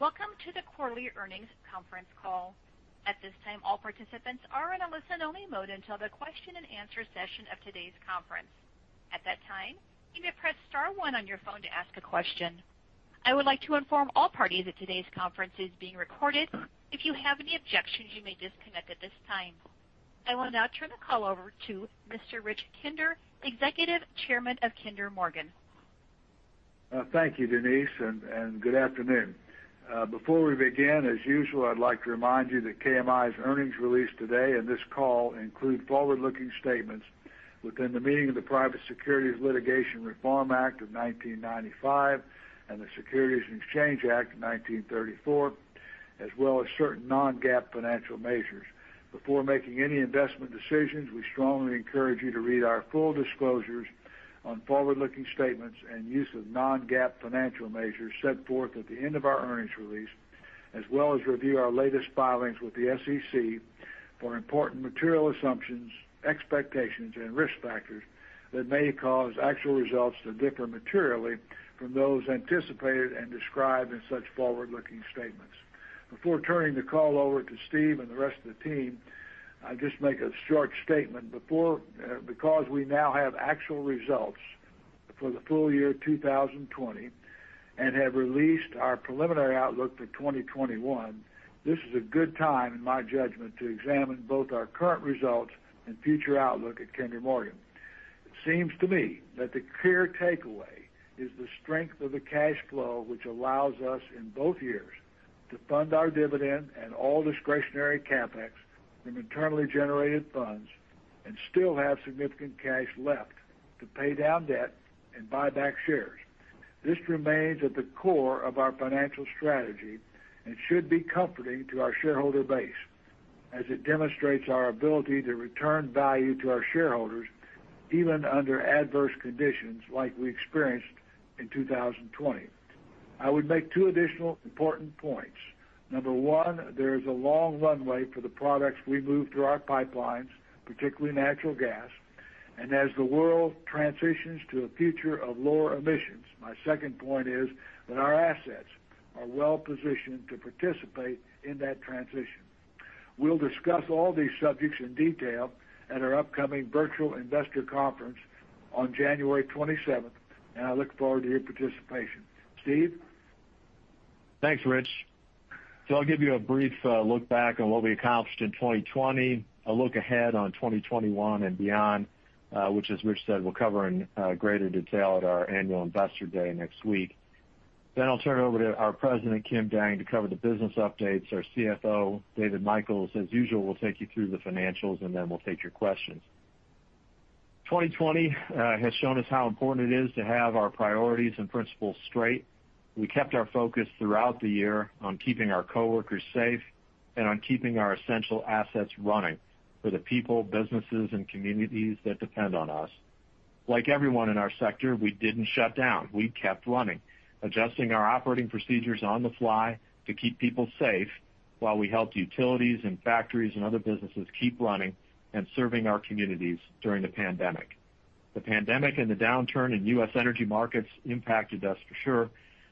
Welcome to the quarterly earnings conference call. At this time, all participants are in a listen only mode until the question and answer session of today's conference. At that time, you may press star one on your phone to ask a question. I would like to inform all parties that today's conference is being recorded. If you have any objections, you may disconnect at this time. I will now turn the call over to Mr. Rich Kinder, Executive Chairman of Kinder Morgan. Thank you, Denise. Good afternoon. Before we begin, as usual, I'd like to remind you that KMI's earnings release today and this call include forward-looking statements within the meaning of the Private Securities Litigation Reform Act of 1995 and the Securities Exchange Act of 1934, as well as certain non-GAAP financial measures. Before making any investment decisions, we strongly encourage you to read our full disclosures on forward-looking statements and use of non-GAAP financial measures set forth at the end of our earnings release, as well as review our latest filings with the SEC for important material assumptions, expectations, and risk factors that may cause actual results to differ materially from those anticipated and described in such forward-looking statements. Before turning the call over to Steve and the rest of the team, I'll just make a short statement. Because we now have actual results for the full year 2020 and have released our preliminary outlook for 2021, this is a good time, in my judgment, to examine both our current results and future outlook at Kinder Morgan. It seems to me that the clear takeaway is the strength of the cash flow, which allows us, in both years, to fund our dividend and all discretionary CapEx from internally generated funds and still have significant cash left to pay down debt and buy back shares. This remains at the core of our financial strategy and should be comforting to our shareholder base as it demonstrates our ability to return value to our shareholders, even under adverse conditions like we experienced in 2020. I would make two additional important points. Number one, there is a long runway for the products we move through our pipelines, particularly natural gas, and as the world transitions to a future of lower emissions. My second point is that our assets are well-positioned to participate in that transition. We will discuss all these subjects in detail at our upcoming virtual investor conference on January 27th, and I look forward to your participation. Steve? Thanks, Rich. I'll give you a brief look back on what we accomplished in 2020, a look ahead on 2021 and beyond, which as Rich said, we'll cover in greater detail at our annual investor day next week. I'll turn it over to our President, Kim Dang, to cover the business updates. Our CFO, David Michels, as usual, will take you through the financials, and then we'll take your questions. 2020 has shown us how important it is to have our priorities and principles straight. We kept our focus throughout the year on keeping our coworkers safe and on keeping our essential assets running for the people, businesses, and communities that depend on us. Like everyone in our sector, we didn't shut down. We kept running, adjusting our operating procedures on the fly to keep people safe while we helped utilities and factories and other businesses keep running and serving our communities during the pandemic. The pandemic and the downturn in U.S. energy markets impacted us for sure,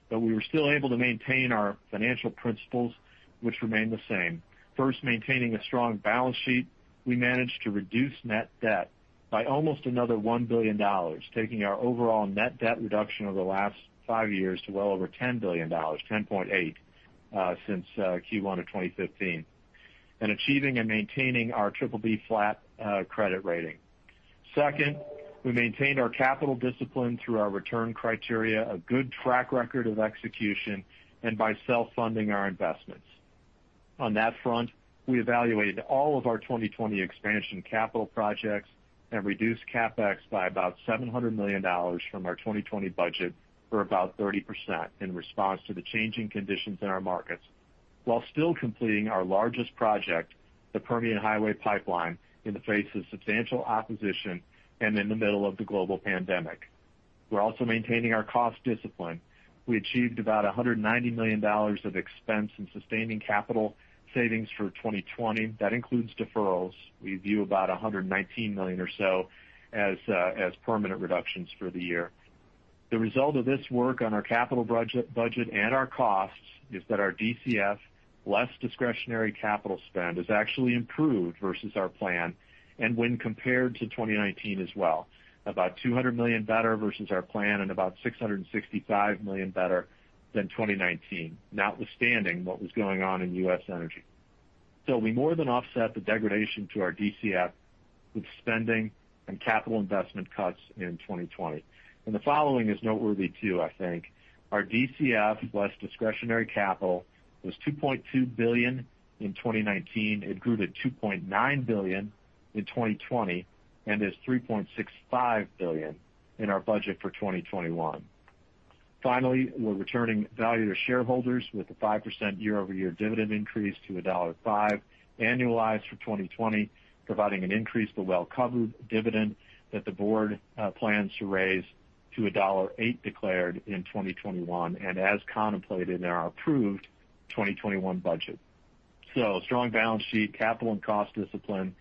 but we were still able to maintain our financial principles, which remain the same. First, maintaining a strong balance sheet. We managed to reduce net debt by almost another $1 billion, taking our overall net debt reduction over the last five years to well over $10 billion, 10.8 since Q1 of 2015, and achieving and maintaining our BBB flat credit rating. Second, we maintained our capital discipline through our return criteria, a good track record of execution, and by self-funding our investments. On that front, we evaluated all of our 2020 expansion capital projects and reduced CapEx by about $700 million from our 2020 budget for about 30% in response to the changing conditions in our markets, while still completing our largest project, the Permian Highway Pipeline, in the face of substantial opposition and in the middle of the global pandemic. We're also maintaining our cost discipline. We achieved about $190 million of expense in sustaining capital savings for 2020. That includes deferrals. We view about $119 million or so as permanent reductions for the year. The result of this work on our capital budget and our costs is that our DCF less discretionary capital spend is actually improved versus our plan and when compared to 2019 as well. About $200 million better versus our plan and about $665 million better than 2019, notwithstanding what was going on in U.S. energy. We more than offset the degradation to our DCF with spending and capital investment cuts in 2020. The following is noteworthy too, I think. Our DCF less discretionary capital was $2.2 billion in 2019. It grew to $2.9 billion in 2020 and is $3.65 billion in our budget for 2021. Finally, we're returning value to shareholders with a 5% year-over-year dividend increase to $1.05 annualized for 2020, providing an increase to well-covered dividend that the board plans to raise to $1.08 declared in 2021 and as contemplated in our approved 2021 budget. Strong balance sheet, capital and cost discipline,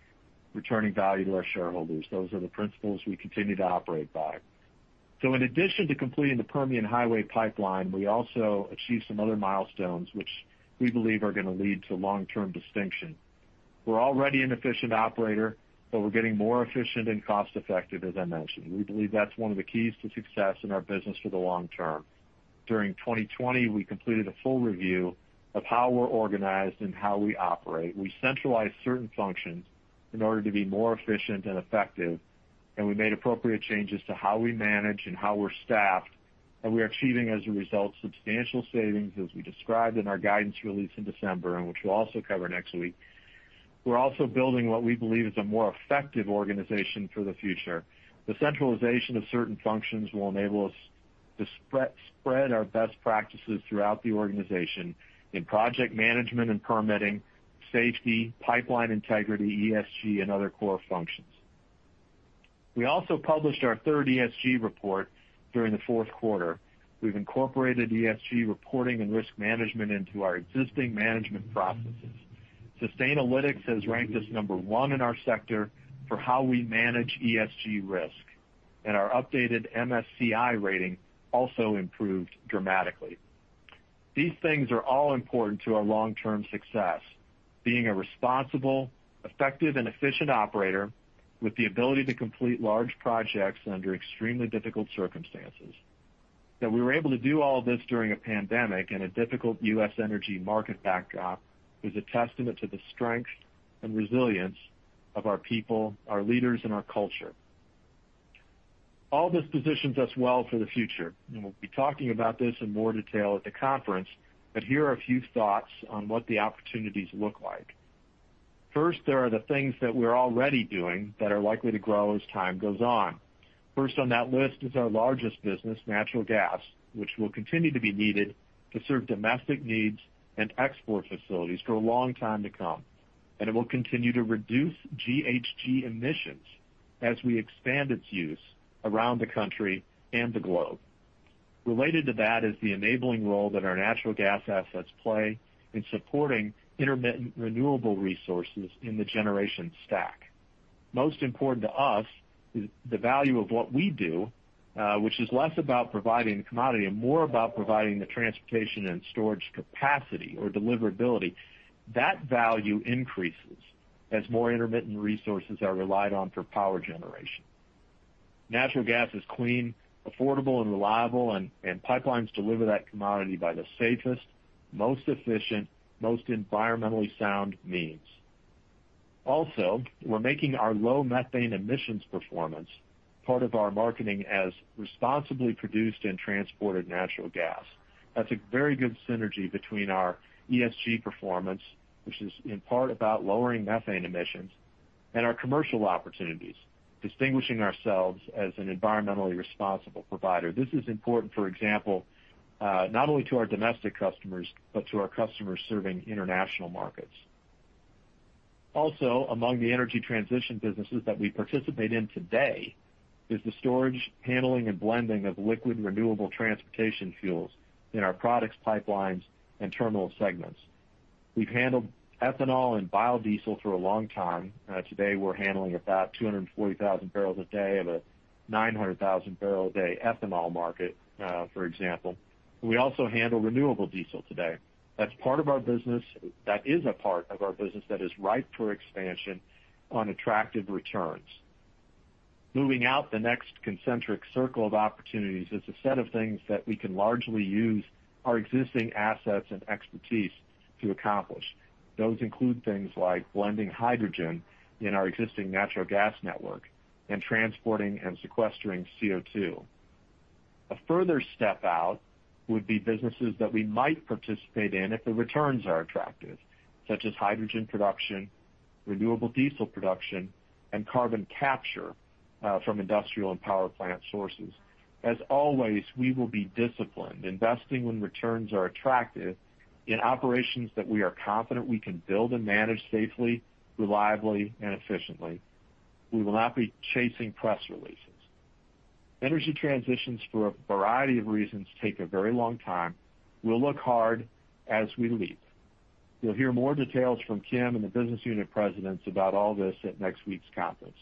returning value to our shareholders. Those are the principles we continue to operate by. In addition to completing the Permian Highway Pipeline, we also achieved some other milestones which we believe are going to lead to long-term distinction. We're already an efficient operator, but we're getting more efficient and cost-effective, as I mentioned. We believe that's one of the keys to success in our business for the long term. During 2020, we completed a full review of how we're organized and how we operate. We centralized certain functions in order to be more efficient and effective, and we made appropriate changes to how we manage and how we're staffed, and we are achieving, as a result, substantial savings as we described in our guidance release in December, and which we'll also cover next week. We're also building what we believe is a more effective organization for the future. The centralization of certain functions will enable us to spread our best practices throughout the organization in project management and permitting, safety, pipeline integrity, ESG, and other core functions. We also published our third ESG report during the fourth quarter. We've incorporated ESG reporting and risk management into our existing management processes. Sustainalytics has ranked us number one in our sector for how we manage ESG risk, and our updated MSCI rating also improved dramatically. These things are all important to our long-term success, being a responsible, effective, and efficient operator with the ability to complete large projects under extremely difficult circumstances. That we were able to do all of this during a pandemic and a difficult U.S. energy market backdrop is a testament to the strength and resilience of our people, our leaders, and our culture. All this positions us well for the future, and we'll be talking about this in more detail at the conference, but here are a few thoughts on what the opportunities look like. First, there are the things that we're already doing that are likely to grow as time goes on. First on that list is our largest business, natural gas, which will continue to be needed to serve domestic needs and export facilities for a long time to come. It will continue to reduce GHG emissions as we expand its use around the country and the globe. Related to that is the enabling role that our natural gas assets play in supporting intermittent renewable resources in the generation stack. Most important to us is the value of what we do, which is less about providing the commodity and more about providing the transportation and storage capacity or deliverability. That value increases as more intermittent resources are relied on for power generation. Natural gas is clean, affordable, and reliable, and pipelines deliver that commodity by the safest, most efficient, most environmentally sound means. Also, we're making our low methane emissions performance part of our marketing as responsibly produced and transported natural gas. That's a very good synergy between our ESG performance, which is in part about lowering methane emissions, and our commercial opportunities, distinguishing ourselves as an environmentally responsible provider. This is important, for example, not only to our domestic customers, but to our customers serving international markets. Also, among the energy transition businesses that we participate in today is the storage, handling, and blending of liquid renewable transportation fuels in our Products, Pipelines, and Terminal segments. We've handled ethanol and biodiesel for a long time. Today, we're handling about 240,000 barrels a day of a 900,000-barrel-a-day ethanol market, for example. We also handle renewable diesel today. That is a part of our business that is ripe for expansion on attractive returns. Moving out the next concentric circle of opportunities is a set of things that we can largely use our existing assets and expertise to accomplish. Those include things like blending hydrogen in our existing natural gas network and transporting and sequestering CO2. A further step out would be businesses that we might participate in if the returns are attractive, such as hydrogen production, renewable diesel production, and carbon capture from industrial and power plant sources. As always, we will be disciplined, investing when returns are attractive in operations that we are confident we can build and manage safely, reliably, and efficiently. We will not be chasing press releases. Energy transitions, for a variety of reasons, take a very long time. We'll look hard as we leap. You'll hear more details from Kim and the business unit presidents about all this at next week's conference.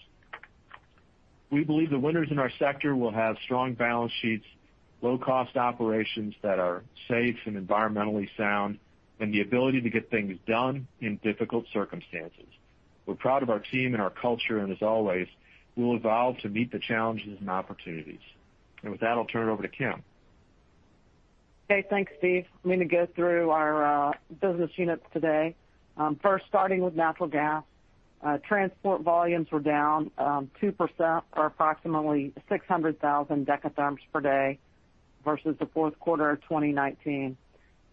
We believe the winners in our sector will have strong balance sheets, low-cost operations that are safe and environmentally sound, and the ability to get things done in difficult circumstances. As always, we'll evolve to meet the challenges and opportunities. With that, I'll turn it over to Kim. Thanks, Steve. I'm going to go through our business units today. First starting with natural gas. Transport volumes were down 2% or approximately 600,000 dekatherms per day versus the fourth quarter of 2019.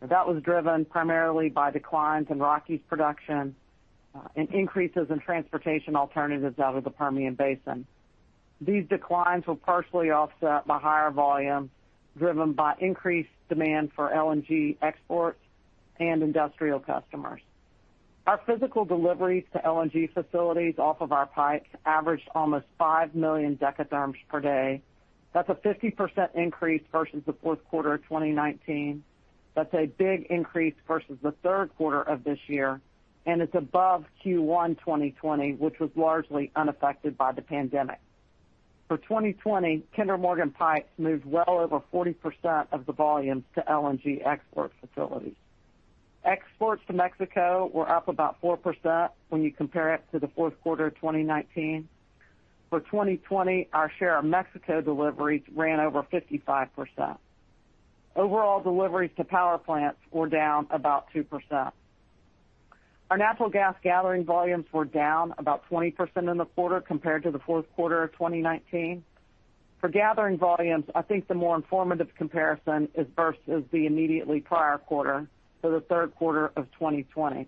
Was driven primarily by declines in Rockies production and increases in transportation alternatives out of the Permian Basin. These declines were partially offset by higher volume driven by increased demand for LNG exports and industrial customers. Our physical deliveries to LNG facilities off of our pipes averaged almost five million dekatherms per day. A 50% increase versus the fourth quarter of 2019. A big increase versus the third quarter of this year, and it's above Q1 2020, which was largely unaffected by the pandemic. For 2020, Kinder Morgan pipes moved well over 40% of the volumes to LNG export facilities. Exports to Mexico were up about 4% when you compare it to the fourth quarter of 2019. For 2020, our share of Mexico deliveries ran over 55%. Overall deliveries to power plants were down about 2%. Our natural gas gathering volumes were down about 20% in the quarter compared to the fourth quarter of 2019. For gathering volumes, I think the more informative comparison is versus the immediately prior quarter, so the third quarter of 2020.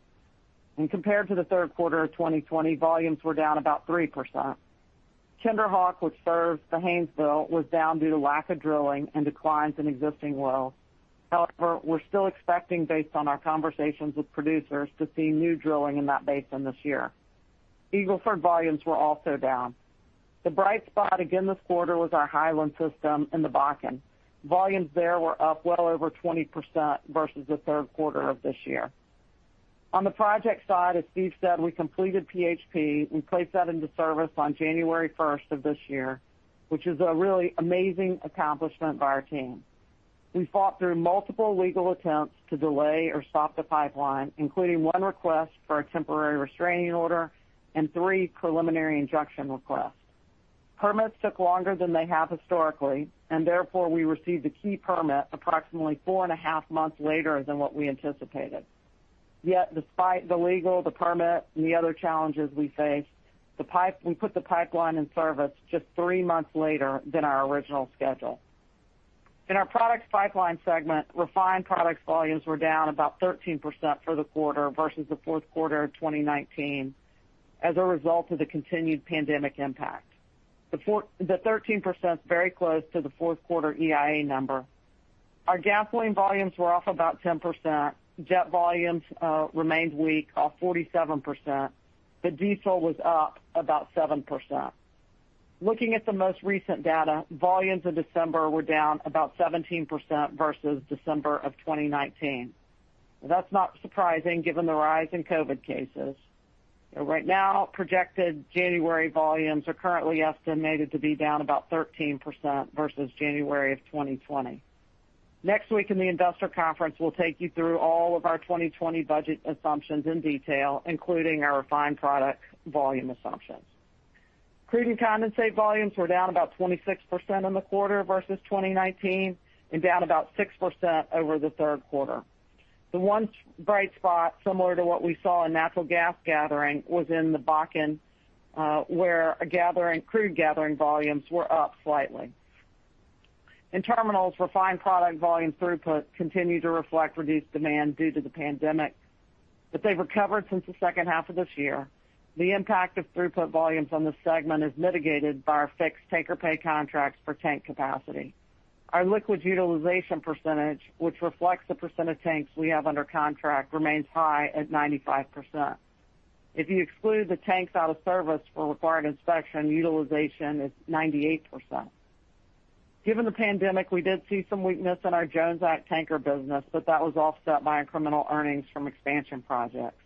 When compared to the third quarter of 2020, volumes were down about 3%. KinderHawk, which serves the Haynesville, was down due to lack of drilling and declines in existing wells. We're still expecting, based on our conversations with producers, to see new drilling in that basin this year. Eagle Ford volumes were also down. The bright spot again this quarter was our Hiland system in the Bakken. Volumes there were up well over 20% versus the third quarter of this year. On the project side, as Steve said, we completed PHP. We placed that into service on January 1st of this year, which is a really amazing accomplishment by our team. We fought through multiple legal attempts to delay or stop the pipeline, including one request for a temporary restraining order and three preliminary injunction requests. Permits took longer than they have historically, and therefore we received the key permit approximately four and a half months later than what we anticipated. Yet, despite the legal, the permit, and the other challenges we faced, we put the pipeline in service just three months later than our original schedule. In our Products Pipeline segment, refined products volumes were down about 13% for the quarter versus the fourth quarter of 2019 as a result of the continued pandemic impact. The 13% is very close to the fourth quarter EIA number. Our gasoline volumes were off about 10%. Jet volumes remained weak, off 47%. Diesel was up about 7%. Looking at the most recent data, volumes in December were down about 17% versus December of 2019. That's not surprising given the rise in COVID cases. Right now, projected January volumes are currently estimated to be down about 13% versus January of 2020. Next week in the investor conference, we'll take you through all of our 2020 budget assumptions in detail, including our refined product volume assumptions. Crude and condensate volumes were down about 26% in the quarter versus 2019 and down about 6% over the third quarter. The one bright spot, similar to what we saw in natural gas gathering, was in the Bakken, where crude gathering volumes were up slightly. In terminals, refined product volume throughput continued to reflect reduced demand due to the pandemic, but they've recovered since the second half of this year. The impact of throughput volumes on this segment is mitigated by our fixed take-or-pay contracts for tank capacity. Our liquids utilization percentage, which reflects the percent of tanks we have under contract, remains high at 95%. If you exclude the tanks out of service for required inspection, utilization is 98%. Given the pandemic, we did see some weakness in our Jones Act tanker business, but that was offset by incremental earnings from expansion projects.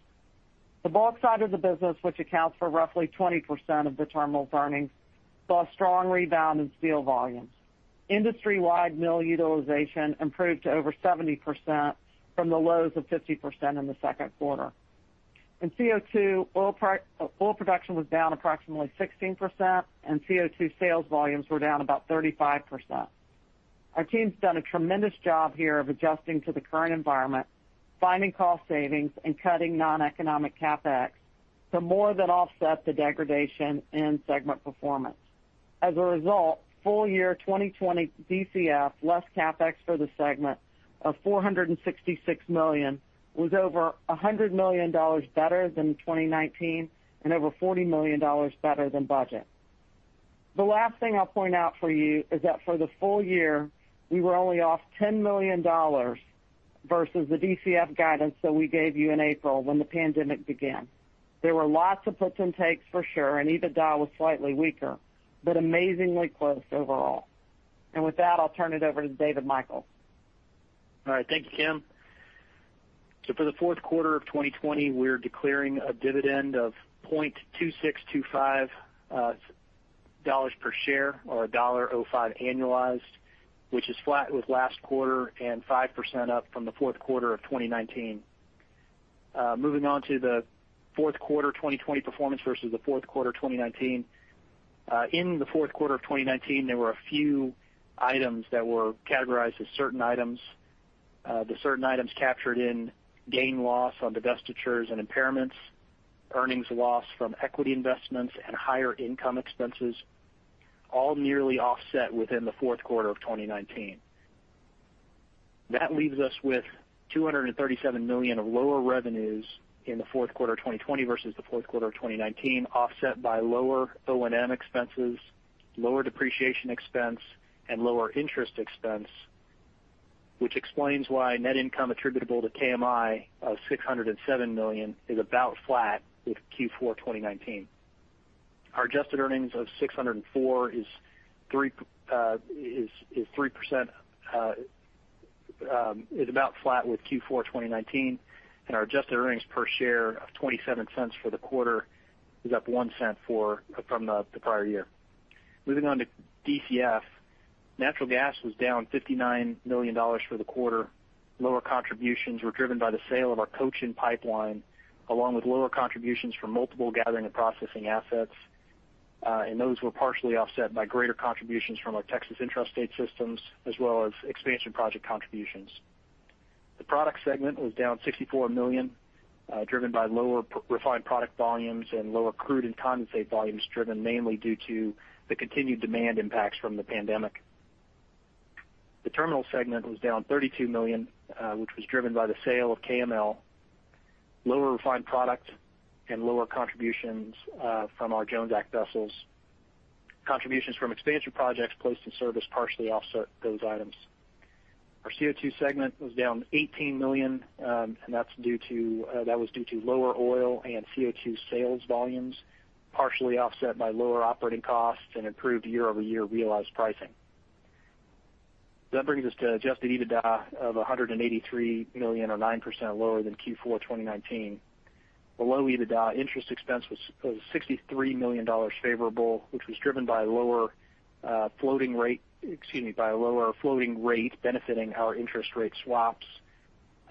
The bulk side of the business, which accounts for roughly 20% of the terminal's earnings, saw a strong rebound in steel volumes. Industry-wide mill utilization improved to over 70% from the lows of 50% in the second quarter. In CO2, oil production was down approximately 16%, and CO2 sales volumes were down about 35%. Our team's done a tremendous job here of adjusting to the current environment, finding cost savings, and cutting noneconomic CapEx to more than offset the degradation in segment performance. Full-year 2020 DCF less CapEx for the segment of $466 million was over $100 million better than 2019 and over $40 million better than budget. The last thing I'll point out for you is that for the full year, we were only off $10 million versus the DCF guidance that we gave you in April when the pandemic began. There were lots of puts and takes for sure, EBITDA was slightly weaker, but amazingly close overall. With that, I'll turn it over to David Michels. Thank you, Kim. For the fourth quarter of 2020, we're declaring a dividend of $0.2625 per share or $1.05 annualized, which is flat with last quarter and 5% up from the fourth quarter of 2019. Moving on to the fourth quarter 2020 performance versus the fourth quarter 2019. In the fourth quarter of 2019, there were a few items that were categorized as certain items. The certain items captured in gain loss on divestitures and impairments, earnings loss from equity investments, and higher income expenses, all nearly offset within the fourth quarter of 2019. That leaves us with $237 million of lower revenues in the fourth quarter of 2020 versus the fourth quarter of 2019, offset by lower O&M expenses, lower depreciation expense, and lower interest expense. Which explains why net income attributable to KMI of $607 million is about flat with Q4 2019. Our adjusted earnings of $604 is 3% about flat with Q4 2019. Our adjusted earnings per share of $0.27 for the quarter is up $0.01 from the prior year. Moving on to DCF, natural gas was down $59 million for the quarter. Lower contributions were driven by the sale of our Cochin pipeline, along with lower contributions from multiple gathering and processing assets. Those were partially offset by greater contributions from our Texas intrastate systems, as well as expansion project contributions. The Products segment was down $64 million, driven by lower refined product volumes and lower crude and condensate volumes, driven mainly due to the continued demand impacts from the pandemic. The Terminal segment was down $32 million, which was driven by the sale of KML, lower refined product, and lower contributions from our Jones Act vessels. Contributions from expansion projects placed in service partially offset those items. Our CO2 segment was down $18 million, and that was due to lower oil and CO2 sales volumes, partially offset by lower operating costs and improved year-over-year realized pricing. That brings us to adjusted EBITDA of $183 million, or 9% lower than Q4 2019. Below EBITDA, interest expense was $63 million favorable, which was driven by a lower floating rate benefiting our interest rate swaps,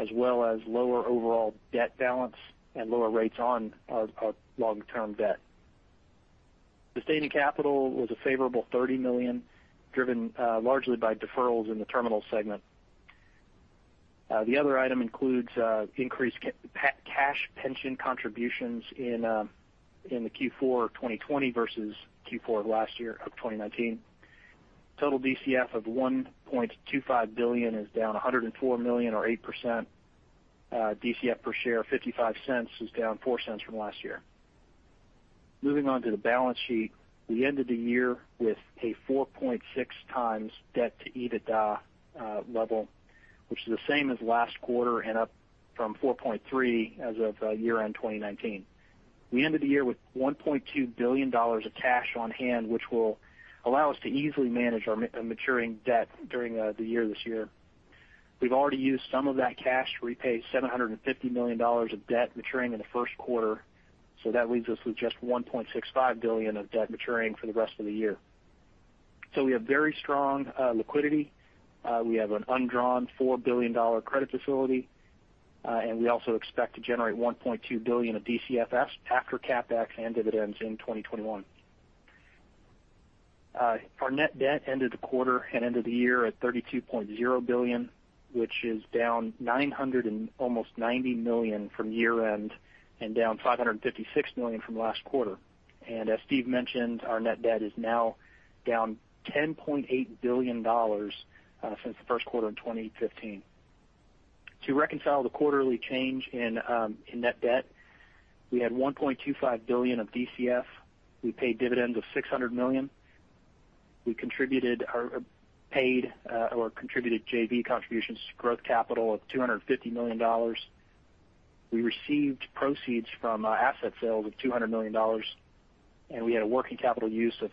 as well as lower overall debt balance and lower rates on our long-term debt. Sustaining capital was a favorable $30 million, driven largely by deferrals in the Terminal segment. The other item includes increased cash pension contributions in the Q4 2020 versus Q4 of last year, of 2019. Total DCF of $1.25 billion is down $104 million or 8%. DCF per share of $0.55 is down $0.04 from last year. Moving on to the balance sheet. We ended the year with a 4.6 times debt to EBITDA level, which is the same as last quarter and up from 4.3 as of year-end 2019. We ended the year with $1.2 billion of cash on hand, which will allow us to easily manage our maturing debt during the year this year. We've already used some of that cash to repay $750 million of debt maturing in the first quarter, that leaves us with just $1.65 billion of debt maturing for the rest of the year. We have very strong liquidity. We have an undrawn $4 billion credit facility, and we also expect to generate $1.2 billion of DCF after CapEx and dividends in 2021. Our net debt ended the quarter and ended the year at $32.0 billion, which is down almost $990 million from year-end, and down $556 million from last quarter. As Steve mentioned, our net debt is now down $10.8 billion since the first quarter in 2015. To reconcile the quarterly change in net debt, we had $1.25 billion of DCF. We paid dividends of $600 million. We paid or contributed JV contributions to growth capital of $250 million. We received proceeds from asset sales of $200 million, and we had a working capital use of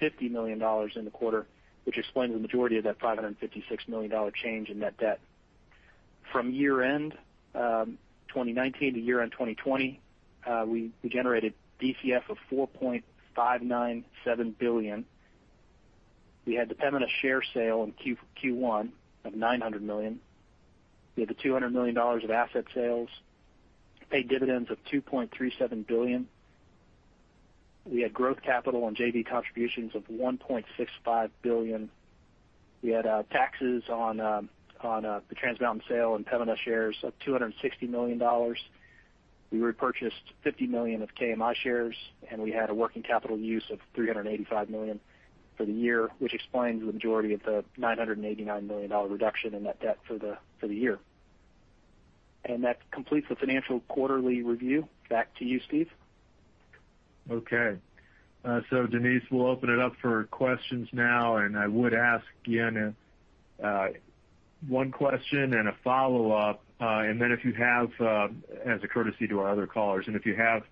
$50 million in the quarter, which explains the majority of that $556 million change in net debt. From year-end 2019 to year-end 2020, we generated DCF of $4.597 billion. We had the Pembina share sale in Q1 of $900 million. We had the $200 million of asset sales, paid dividends of $2.37 billion. We had growth capital on JV contributions of $1.65 billion. We had taxes on the Trans Mountain sale and Pembina shares of $260 million. We repurchased $50 million of KMI shares, and we had a working capital use of $385 million for the year, which explains the majority of the $989 million reduction in net debt for the year. That completes the financial quarterly review. Back to you, Steve. Okay. Denise, we'll open it up for questions now, and I would ask again, one question and a follow-up, as a courtesy to our other callers. If you have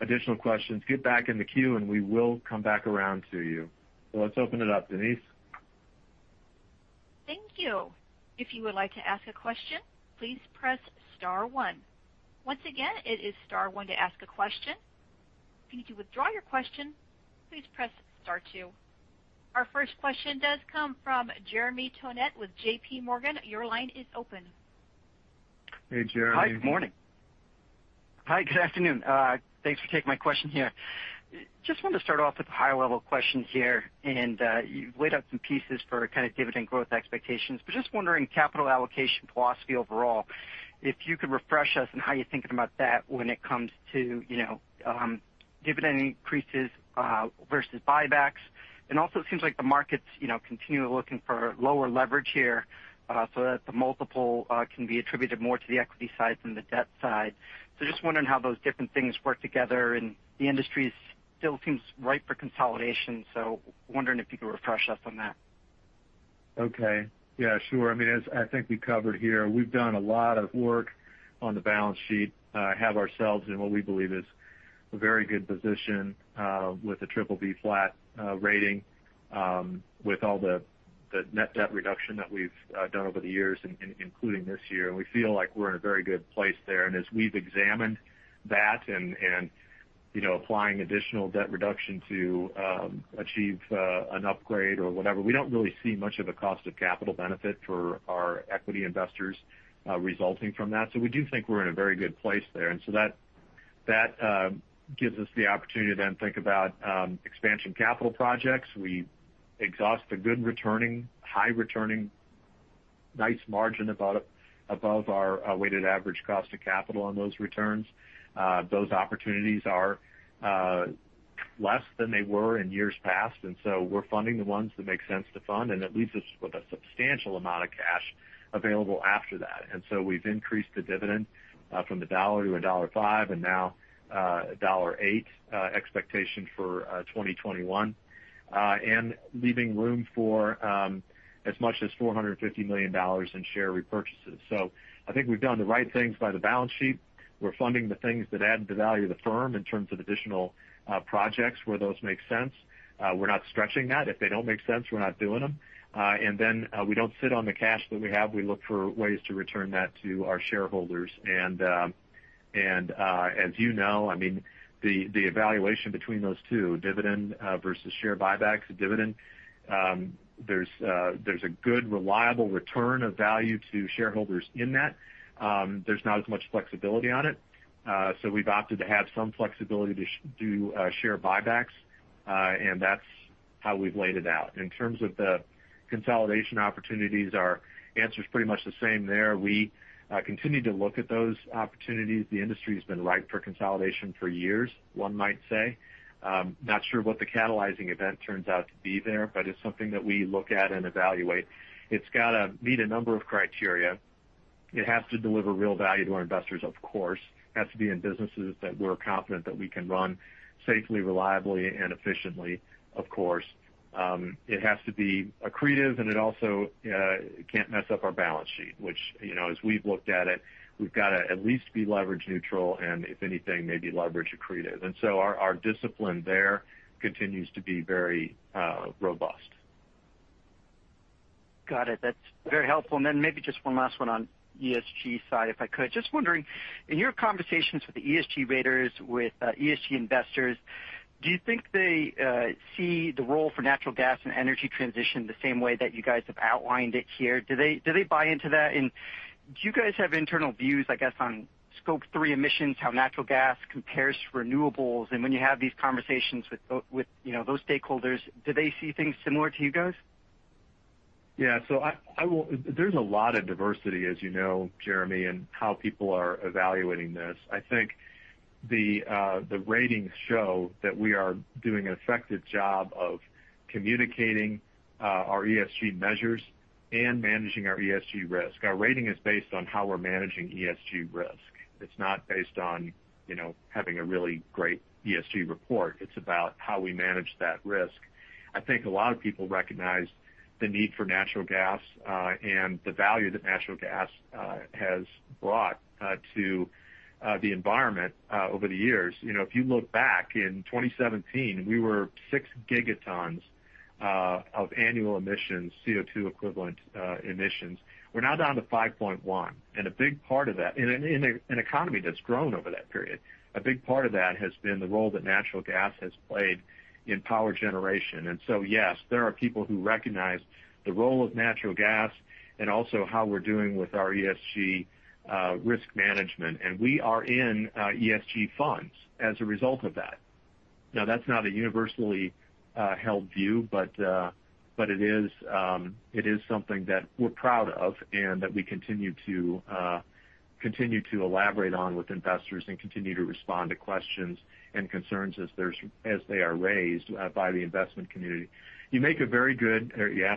additional questions, get back in the queue, and we will come back around to you. Let's open it up. Denise? Thank you. Our first question does come from Jeremy Tonet with JPMorgan. Your line is open. Hey, Jeremy. Hi, good afternoon. Thanks for taking my question here. Just wanted to start off with a high-level question here, and you've laid out some pieces for kind of dividend growth expectations, but just wondering capital allocation philosophy overall, if you could refresh us on how you're thinking about that when it comes to dividend increases versus buybacks. Also, it seems like the market's continually looking for lower leverage here so that the multiple can be attributed more to the equity side than the debt side. Just wondering how those different things work together, and the industry still seems ripe for consolidation, so wondering if you could refresh us on that. Okay. Yeah, sure. I think we covered here, we've done a lot of work on the balance sheet, have ourselves in what we believe is a very good position with a BBB flat rating with all the net debt reduction that we've done over the years, including this year. We feel like we're in a very good place there. As we've examined that and applying additional debt reduction to achieve an upgrade or whatever, we don't really see much of a cost of capital benefit for our equity investors resulting from that. We do think we're in a very good place there. That gives us the opportunity to then think about expansion capital projects. We exhaust the good returning, high returning, nice margin above our weighted average cost of capital on those returns. Those opportunities are less than they were in years past, and so we're funding the ones that make sense to fund, and it leaves us with a substantial amount of cash available after that. We've increased the dividend from $1 to a $1.05, and now a $1.08 expectation for 2021, and leaving room for as much as $450 million in share repurchases. I think we've done the right things by the balance sheet. We're funding the things that add to the value of the firm in terms of additional projects where those make sense. We're not stretching that. If they don't make sense, we're not doing them. We don't sit on the cash that we have. We look for ways to return that to our shareholders. As you know, the valuation between those two, dividend versus share buybacks. The dividend, there's a good, reliable return of value to shareholders in that. There's not as much flexibility on it. We've opted to have some flexibility to do share buybacks. That's how we've laid it out. In terms of the consolidation opportunities, our answer's pretty much the same there. We continue to look at those opportunities. The industry's been ripe for consolidation for years, one might say. Not sure what the catalyzing event turns out to be there, it's something that we look at and evaluate. It's got to meet a number of criteria. It has to deliver real value to our investors, of course. It has to be in businesses that we're confident that we can run safely, reliably, and efficiently, of course. It has to be accretive, and it also can't mess up our balance sheet, which, as we've looked at it, we've got to at least be leverage neutral, and if anything, maybe leverage accretive. Our discipline there continues to be very robust. Got it. That's very helpful. Then maybe just one last one on ESG side, if I could. Just wondering, in your conversations with the ESG raters, with ESG investors, do you think they see the role for natural gas and energy transition the same way that you guys have outlined it here? Do they buy into that? Do you guys have internal views, I guess, on Scope 3 emissions, how natural gas compares to renewables? When you have these conversations with those stakeholders, do they see things similar to you guys? Yeah. There's a lot of diversity, as you know, Jeremy, in how people are evaluating this. I think the ratings show that we are doing an effective job of communicating our ESG measures and managing our ESG risk. Our rating is based on how we're managing ESG risk. It's not based on having a really great ESG report. It's about how we manage that risk. I think a lot of people recognize the need for natural gas and the value that natural gas has brought to the environment over the years. If you look back in 2017, we were six gigatons of annual emissions, CO2-equivalent emissions. We're now down to 5.1. In an economy that's grown over that period, a big part of that has been the role that natural gas has played in power generation. Yes, there are people who recognize the role of natural gas and also how we're doing with our ESG risk management. We are in ESG funds as a result of that. Now, that's not a universally held view, but it is something that we're proud of, and that we continue to elaborate on with investors and continue to respond to questions and concerns as they are raised by the investment community. You ask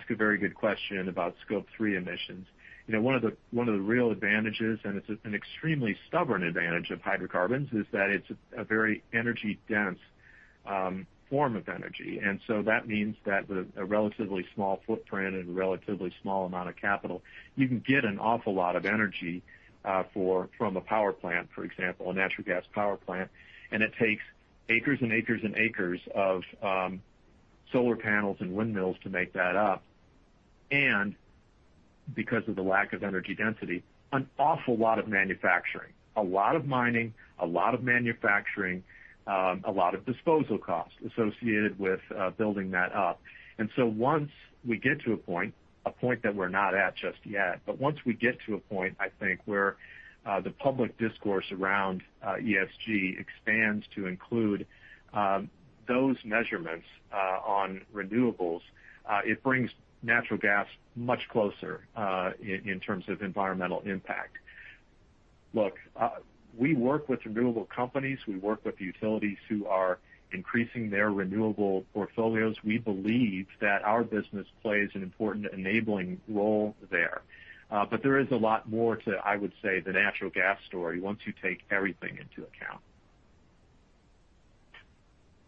a very good question about Scope 3 emissions. One of the real advantages, and it's an extremely stubborn advantage of hydrocarbons, is that it's a very energy-dense form of energy. That means that with a relatively small footprint and a relatively small amount of capital, you can get an awful lot of energy from a power plant, for example, a natural gas power plant, and it takes acres and acres and acres of solar panels and windmills to make that up. Because of the lack of energy density, an awful lot of manufacturing, a lot of mining, a lot of manufacturing, a lot of disposal costs associated with building that up. Once we get to a point, a point that we're not at just yet, but once we get to a point, I think, where the public discourse around ESG expands to include those measurements on renewables it brings natural gas much closer in terms of environmental impact. Look, we work with renewable companies. We work with utilities who are increasing their renewable portfolios. We believe that our business plays an important enabling role there. There is a lot more to, I would say, the natural gas story once you take everything into account.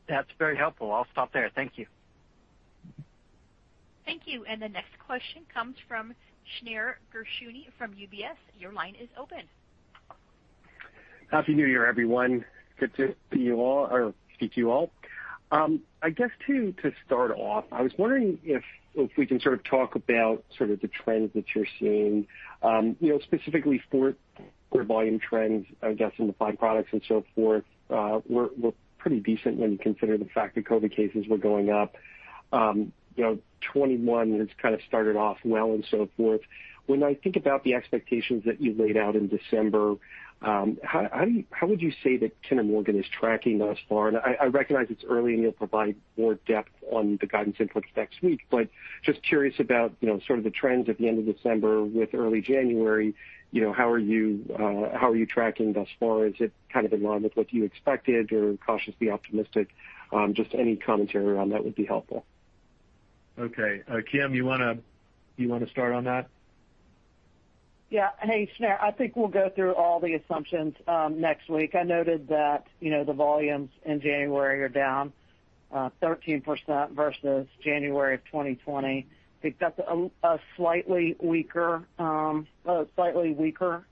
That's very helpful. I'll stop there. Thank you. Thank you. The next question comes from Shneur Gershuni from UBS. Your line is open. Happy New Year, everyone. Good to see you all or speak to you all. I guess to start off, I was wondering if we can sort of talk about the trends that you're seeing. Specifically fourth quarter volume trends, I guess, in the byproducts and so forth, were pretty decent when you consider the fact that COVID cases were going up. 2021 has kind of started off well and so forth. When I think about the expectations that you laid out in December, how would you say that Kinder Morgan is tracking thus far? I recognize it's early and you'll provide more depth on the guidance input next week, but just curious about sort of the trends at the end of December with early January. How are you tracking thus far? Is it kind of in line with what you expected or cautiously optimistic? Just any commentary on that would be helpful. Okay. Kim, you want to start on that? Yeah. Hey, Shneur. I think we'll go through all the assumptions next week. I noted that the volumes in January are down 13% versus January of 2020. I think that's slightly weaker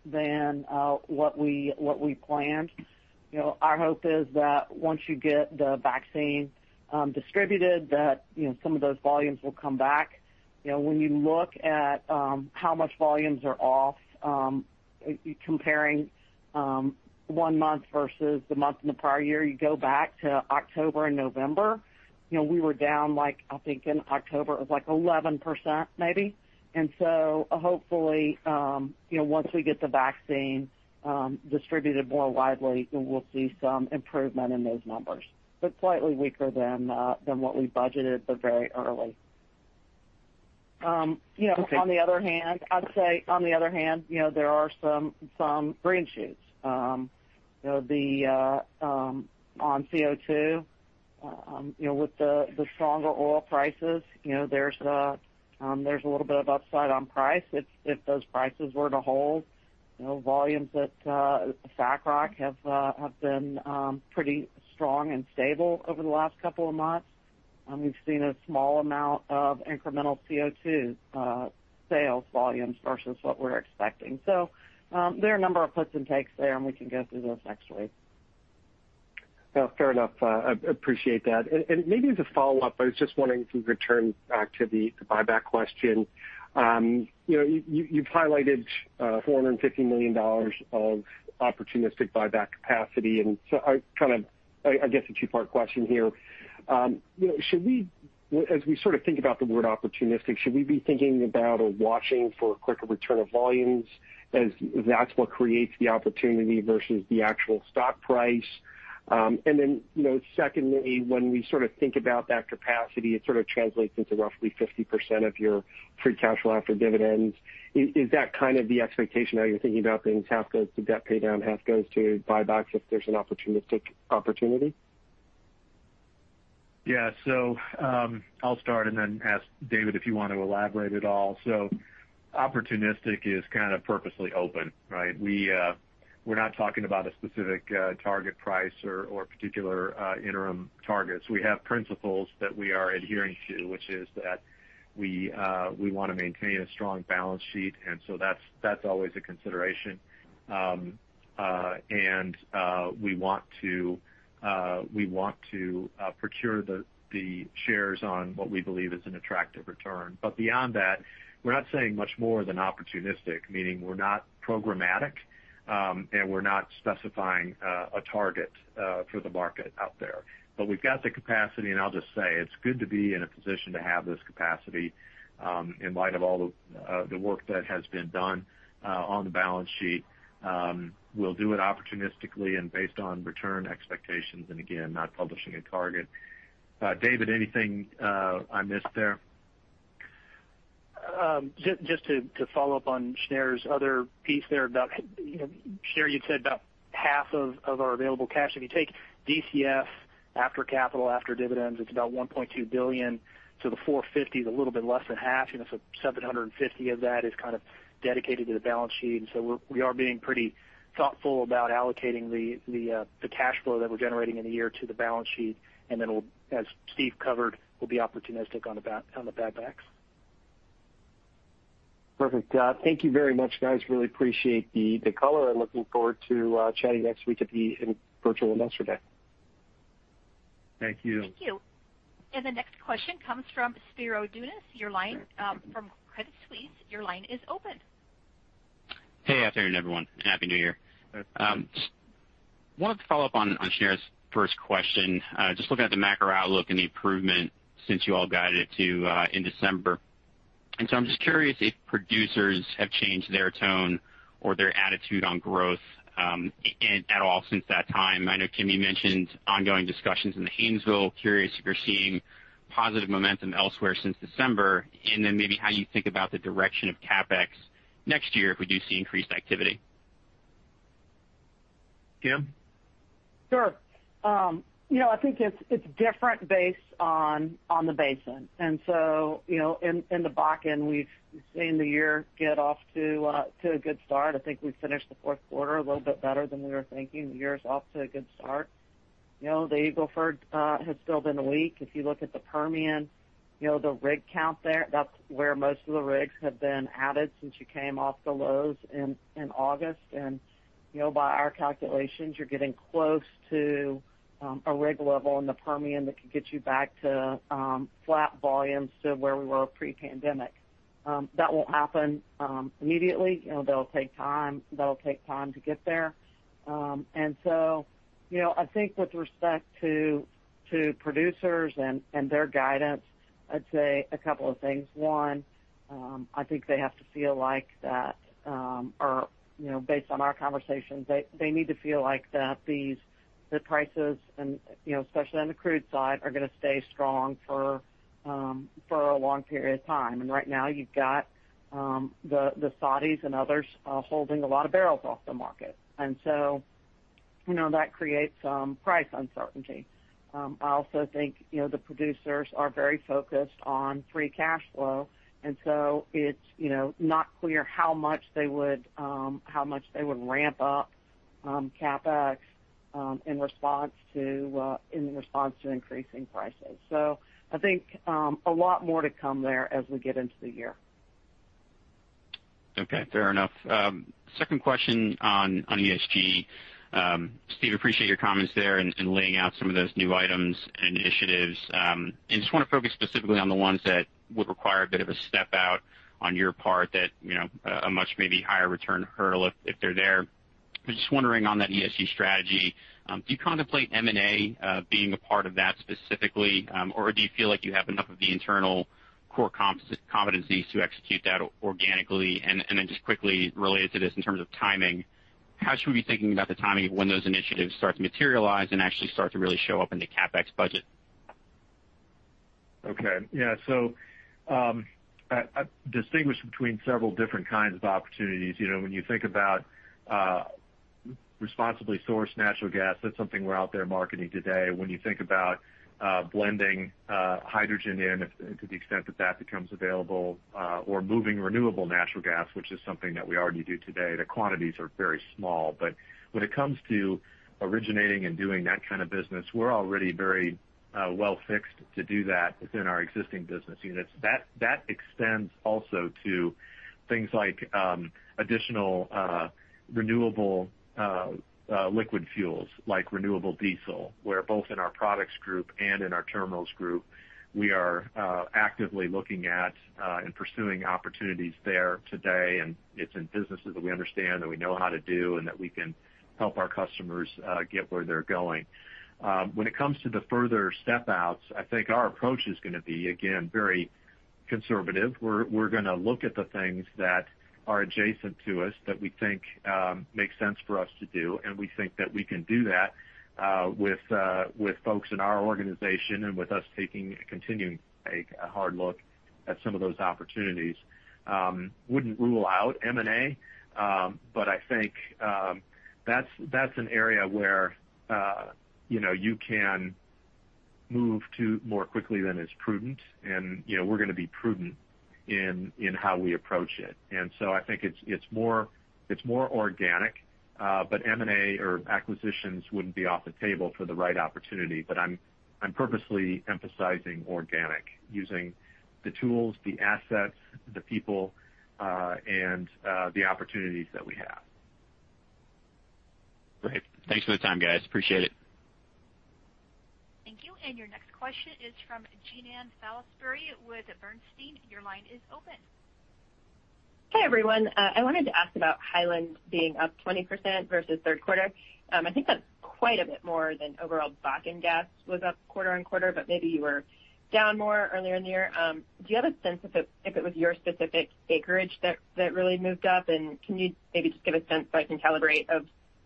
than what we planned. Our hope is that once you get the vaccine distributed, that some of those volumes will come back. When you look at how much volumes are off, comparing one month versus the month in the prior year, you go back to October and November, we were down like, I think in October, it was like 11% maybe. Hopefully, once we get the vaccine distributed more widely, then we'll see some improvement in those numbers. Slightly weaker than what we budgeted, but very early. Okay. On the other hand, there are some green shoots. On CO2, with the stronger oil prices, there's a little bit of upside on price if those prices were to hold. Volumes at SACROC have been pretty strong and stable over the last couple of months. We've seen a small amount of incremental CO2 sales volumes versus what we're expecting. There are a number of puts and takes there, and we can go through those next week. No, fair enough. I appreciate that. Maybe as a follow-up, I was just wondering if you could return back to the buyback question. You've highlighted $450 million of opportunistic buyback capacity. I guess a two-part question here. As we sort of think about the word opportunistic, should we be thinking about or watching for quicker return of volumes as that's what creates the opportunity versus the actual stock price? Secondly, when we sort of think about that capacity, it sort of translates into roughly 50% of your free cash flow after dividends. Is that kind of the expectation how you're thinking about things? Half goes to debt pay down, half goes to buybacks if there's an opportunistic opportunity? Yeah. I'll start and then ask David if you want to elaborate at all. Opportunistic is kind of purposely open, right? We're not talking about a specific target price or particular interim targets. We have principles that we are adhering to, which is that we want to maintain a strong balance sheet, and so that's always a consideration. We want to procure the shares on what we believe is an attractive return. Beyond that, we're not saying much more than opportunistic, meaning we're not programmatic, and we're not specifying a target for the market out there. We've got the capacity, and I'll just say, it's good to be in a position to have this capacity in light of all the work that has been done on the balance sheet. We'll do it opportunistically and based on return expectations, and again, not publishing a target. David, anything I missed there? Just to follow up on Shneur's other piece there about Shneur, you'd said about half of our available cash. If you take DCF after capital, after dividends, it's about $1.2 billion to the $450 is a little bit less than half. $750 of that is kind of dedicated to the balance sheet. We are being pretty thoughtful about allocating the cash flow that we're generating in the year to the balance sheet. We'll, as Steve covered, we'll be opportunistic on the buybacks. Perfect. Thank you very much, guys. Really appreciate the color and looking forward to chatting next week at the virtual investor day. Thank you. Thank you. The next question comes from Spiro Dounis from Credit Suisse. Your line is open. Hey, afternoon, everyone, and Happy New Year. Hi. Wanted to follow up on Shneur's first question. Just looking at the macro outlook and the improvement since you all guided it in December. I'm just curious if producers have changed their tone or their attitude on growth at all since that time. I know, Kim, you mentioned ongoing discussions in the Haynesville. Curious if you're seeing positive momentum elsewhere since December, and then maybe how you think about the direction of CapEx next year if we do see increased activity. Kim? Sure. I think it's different based on the basin. In the Bakken, we've seen the year get off to a good start. I think we finished the fourth quarter a little bit better than we were thinking. The year is off to a good start. The Eagle Ford has still been weak. If you look at the Permian, the rig count there, that's where most of the rigs have been added since you came off the lows in August. By our calculations, you're getting close to a rig level in the Permian that could get you back to flat volumes to where we were pre-pandemic. That won't happen immediately. That'll take time to get there. I think with respect to producers and their guidance, I'd say a couple of things. One, I think they have to feel like that, or based on our conversations, they need to feel like that the prices and especially on the crude side, are going to stay strong for a long period of time. Right now you've got the Saudis and others holding a lot of barrels off the market, and so that creates price uncertainty. I also think the producers are very focused on free cash flow, and so it's not clear how much they would ramp up CapEx in response to increasing prices. I think a lot more to come there as we get into the year. Okay. Fair enough. Second question on ESG. Steve, appreciate your comments there and laying out some of those new items and initiatives. Just want to focus specifically on the ones that would require a bit of a step out on your part that a much maybe higher return hurdle if they're there. Just wondering on that ESG strategy, do you contemplate M&A being a part of that specifically? Or do you feel like you have enough of the internal core competencies to execute that organically? Then just quickly related to this in terms of timing, how should we be thinking about the timing of when those initiatives start to materialize and actually start to really show up in the CapEx budget? Okay. Yeah. I distinguish between several different kinds of opportunities. When you think about responsibly sourced natural gas, that's something we're out there marketing today. When you think about blending hydrogen in to the extent that that becomes available or moving renewable natural gas, which is something that we already do today, the quantities are very small. When it comes to originating and doing that kind of business, we're already very well-fixed to do that within our existing business units. That extends also to things like additional renewable liquid fuels, like renewable diesel, where both in our Products Group and in our Terminals Group, we are actively looking at and pursuing opportunities there today. It's in businesses that we understand and we know how to do, and that we can help our customers get where they're going. When it comes to the further step outs, I think our approach is going to be, again, very conservative. We're going to look at the things that are adjacent to us that we think make sense for us to do, and we think that we can do that with folks in our organization and with us taking a hard look at some of those opportunities. Wouldn't rule out M&A. I think that's an area where you can move to more quickly than is prudent and we're going to be prudent in how we approach it. I think it's more organic. M&A or acquisitions wouldn't be off the table for the right opportunity. I'm purposely emphasizing organic, using the tools, the assets, the people, and the opportunities that we have. Great. Thanks for the time, guys. Appreciate it. Thank you. Your next question is from Jean Ann Salisbury with Bernstein. Your line is open. Hey, everyone. I wanted to ask about Hiland being up 20% versus third quarter. I think that's quite a bit more than overall Bakken gas was up quarter-on-quarter, maybe you were down more earlier in the year. Do you have a sense if it was your specific acreage that really moved up, can you maybe just give a sense so I can calibrate of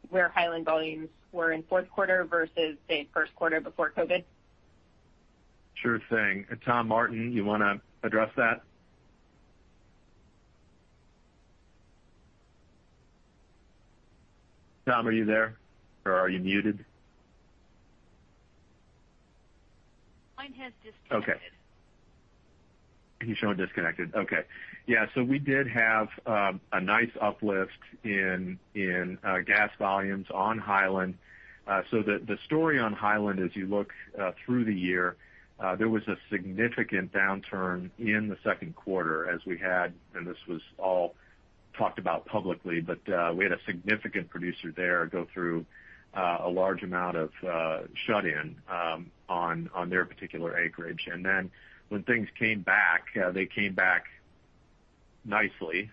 where Hiland volumes were in fourth quarter versus, say, first quarter before COVID? Sure thing. Tom Martin, you want to address that? Tom, are you there or are you muted? Line has disconnected. Okay. He's showing disconnected. Okay. We did have a nice uplift in gas volumes on Hiland. The story on Hiland, as you look through the year, there was a significant downturn in the second quarter as we had, and this was all talked about publicly, but we had a significant producer there go through a large amount of shut-in on their particular acreage. When things came back, they came back nicely.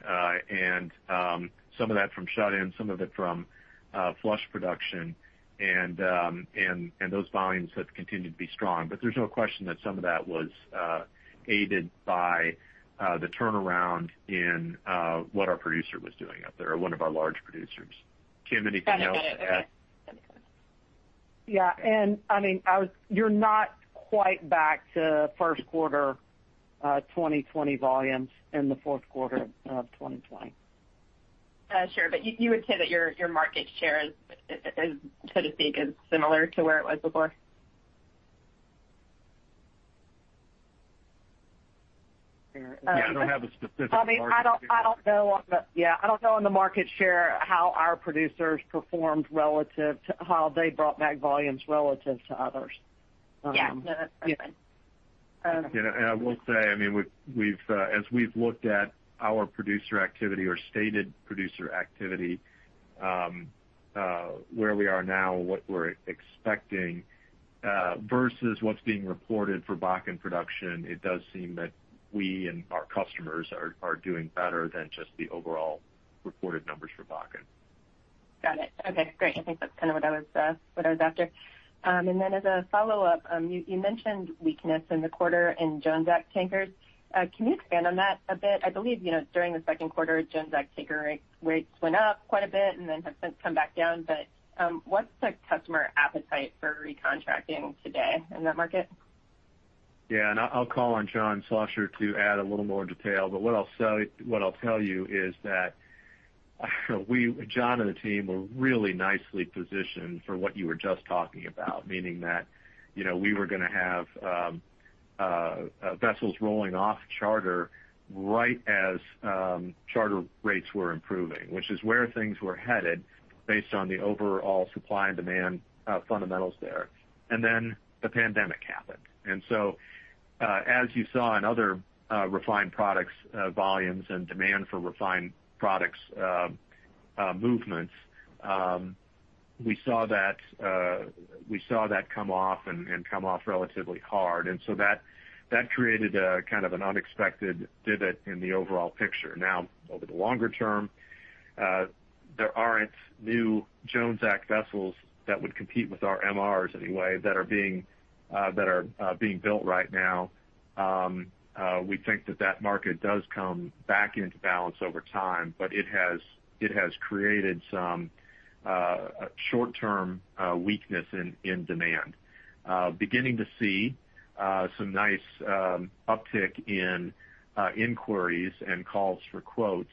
Some of that from shut-in, some of it from flush production, and those volumes have continued to be strong. There's no question that some of that was aided by the turnaround in what our producer was doing up there, one of our large producers. Kim, anything else to add? Yeah. You're not quite back to first quarter 2020 volumes in the fourth quarter of 2020. Sure. You would say that your market share is, so to speak, similar to where it was before? Yeah, I don't have a specific market share. I don't know on the market share how our producers performed relative to how they brought back volumes relative to others. Yeah. No, that's okay. I will say, as we've looked at our producer activity or stated producer activity, where we are now, what we're expecting versus what's being reported for Bakken production, it does seem that we and our customers are doing better than just the overall reported numbers for Bakken. Got it. Okay, great. I think that's kind of what I was after. As a follow-up, you mentioned weakness in the quarter in Jones Act tankers. Can you expand on that a bit? I believe, during the second quarter, Jones Act tanker rates went up quite a bit and then have since come back down. What's the customer appetite for recontracting today in that market? Yeah, I'll call on John Schlosser to add a little more detail, what I'll tell you is that John and the team were really nicely positioned for what you were just talking about, meaning that we were going to have vessels rolling off charter right as charter rates were improving, which is where things were headed based on the overall supply and demand fundamentals there. The pandemic happened. As you saw in other refined products, volumes and demand for refined products movements, we saw that come off and come off relatively hard. That created a kind of an unexpected divot in the overall picture. Over the longer term, there aren't new Jones Act vessels that would compete with our MRs anyway, that are being built right now. We think that that market does come back into balance over time, but it has created some short-term weakness in demand. Beginning to see some nice uptick in inquiries and calls for quotes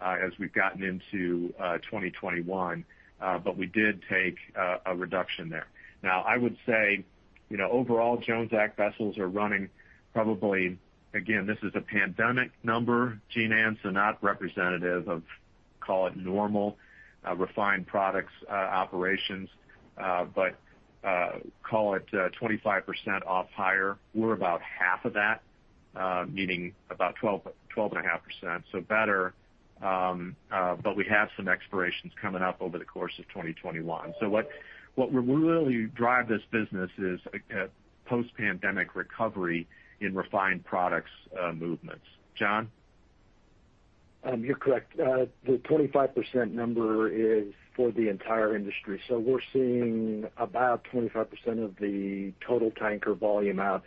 as we've gotten into 2021. We did take a reduction there. Now, I would say, overall Jones Act vessels are running probably, again, this is a pandemic number, Jean Ann, so not representative of call it normal refined products operations, but call it 25% off higher. We're about half of that, meaning about 12.5%, so better. We have some expirations coming up over the course of 2021. What will really drive this business is a post-pandemic recovery in refined products movements. John? You're correct. The 25% number is for the entire industry. We're seeing about 25% of the total tanker volume out.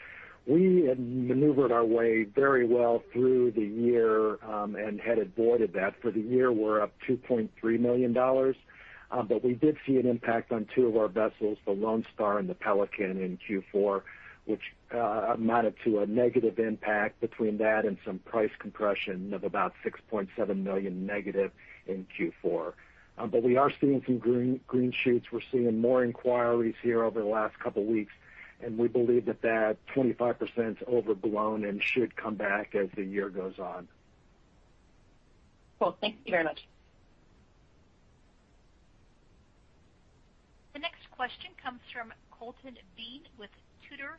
We had maneuvered our way very well through the year, and had avoided that. For the year, we're up $2.3 million. We did see an impact on two of our vessels, the Lone Star and the Pelican in Q4, which amounted to a negative impact between that and some price compression of about $6.7 million negative in Q4. We are seeing some green shoots. We're seeing more inquiries here over the last couple weeks, and we believe that that 25% is overblown and should come back as the year goes on. Cool. Thank you very much. The next question comes from Colton Bean with Tudor,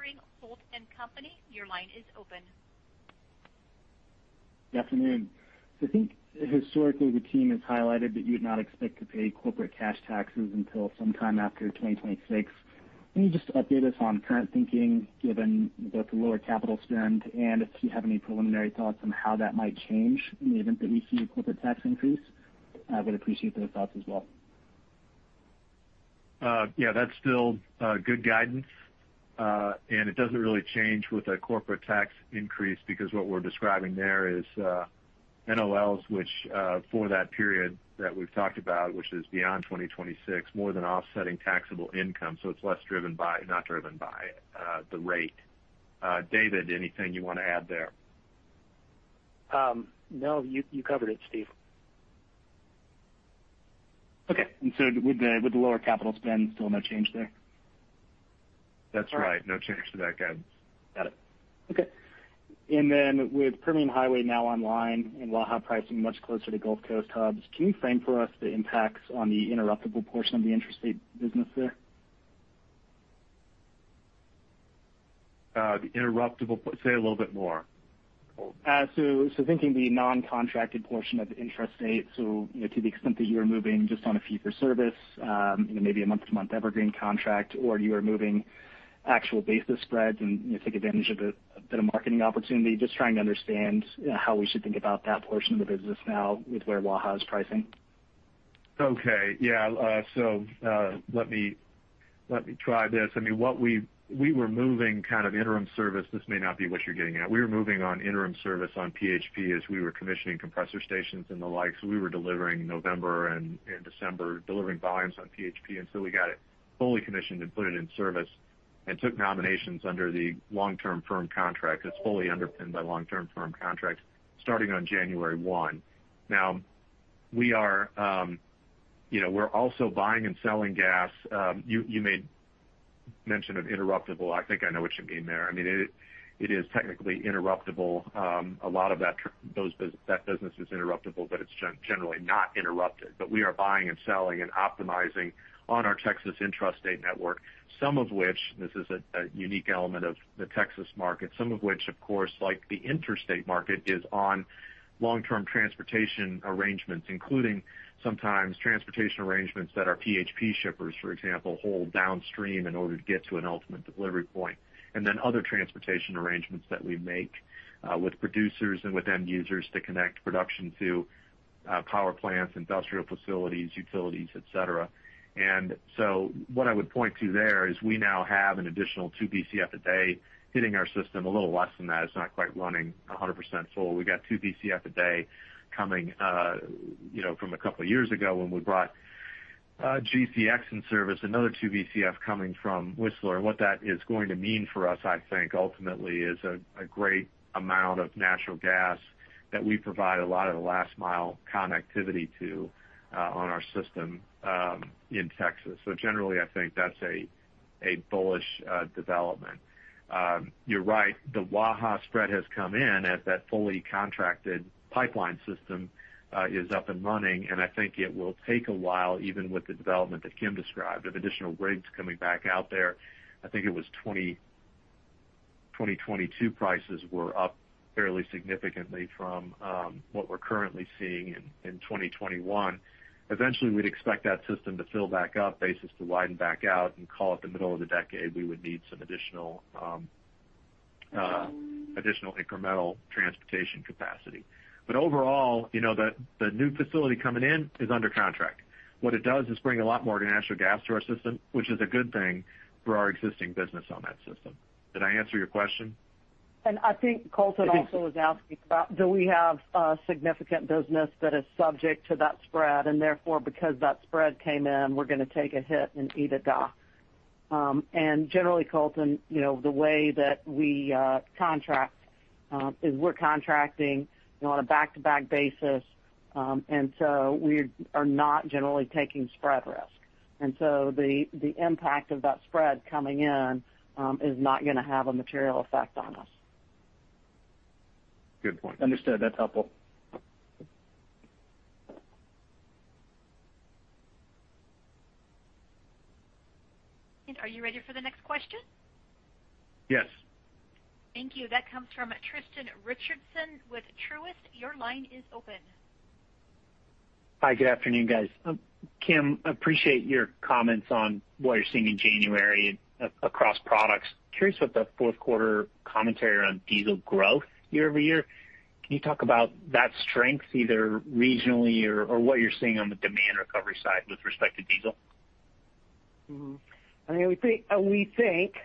Pickering, Holt & Co.. Your line is open. Good afternoon. I think historically the team has highlighted that you would not expect to pay corporate cash taxes until sometime after 2026. Can you just update us on current thinking given both the lower capital spend and if you have any preliminary thoughts on how that might change in the event that we see a corporate tax increase? I would appreciate those thoughts as well. Yeah, that's still good guidance. It doesn't really change with a corporate tax increase because what we're describing there is NOLs, which, for that period that we've talked about, which is beyond 2026, more than offsetting taxable income, so it's not driven by the rate. David, anything you want to add there? No, you covered it, Steve. Okay. With the lower capital spend, still no change there? That's right. No change to that guidance. Got it. Okay. With Permian Highway now online and Waha pricing much closer to Gulf Coast hubs, can you frame for us the impacts on the interruptible portion of the intrastate business there? The interruptible. Say a little bit more. Thinking the non-contracted portion of intrastate. To the extent that you are moving just on a fee-for-service, maybe a month-to-month evergreen contract, or you are moving actual basis spreads and you take advantage of a bit of marketing opportunity. Just trying to understand how we should think about that portion of the business now with where Waha is pricing. Okay. Yeah. Let me try this. We were moving kind of interim service. This may not be what you're getting at. We were moving on interim service on PHP as we were commissioning compressor stations and the like. We were delivering November and December, delivering volumes on PHP until we got it fully commissioned and put it in service and took nominations under the long-term firm contract. It's fully underpinned by long-term firm contract starting on January 1. Now, we're also buying and selling gas. You made mention of interruptible, I think I know what you mean there. It is technically interruptible. A lot of that business is interruptible, but it's generally not interrupted. We are buying and selling and optimizing on our Texas intrastate network, some of which, this is a unique element of the Texas market, some of which, of course, like the interstate market, is on long-term transportation arrangements, including sometimes transportation arrangements that our PHP shippers, for example, hold downstream in order to get to an ultimate delivery point. Other transportation arrangements that we make with producers and with end users to connect production to power plants, industrial facilities, utilities, et cetera. What I would point to there is we now have an additional 2 Bcf a day hitting our system. A little less than that. It's not quite running 100% full. We got 2 Bcf a day coming from a couple years ago when we brought GCX in service, another 2 Bcf coming from Whistler. What that is going to mean for us, I think, ultimately, is a great amount of natural gas that we provide a lot of the last-mile connectivity to on our system in Texas. Generally, I think that's a bullish development. You're right, the Waha spread has come in as that fully contracted pipeline system is up and running, and I think it will take a while, even with the development that Kim described, of additional rigs coming back out there. I think it was 2022 prices were up fairly significantly from what we're currently seeing in 2021. Eventually, we'd expect that system to fill back up, basis to widen back out, and call it the middle of the decade, we would need some additional incremental transportation capacity. Overall, the new facility coming in is under contract. What it does is bring a lot more natural gas to our system, which is a good thing for our existing business on that system. Did I answer your question? I think Colton also was asking about do we have a significant business that is subject to that spread, and therefore, because that spread came in, we're going to take a hit in EBITDA. Generally, Colton, the way that we contract is we're contracting on a back-to-back basis. We are not generally taking spread risk. The impact of that spread coming in is not going to have a material effect on us. Good point. Understood. That's helpful. Are you ready for the next question? Yes. Thank you. That comes from Tristan Richardson with Truist. Your line is open. Hi, good afternoon, guys. Kim, appreciate your comments on what you're seeing in January across products. Curious what the fourth quarter commentary around diesel growth year-over-year. Can you talk about that strength either regionally or what you're seeing on the demand recovery side with respect to diesel? We think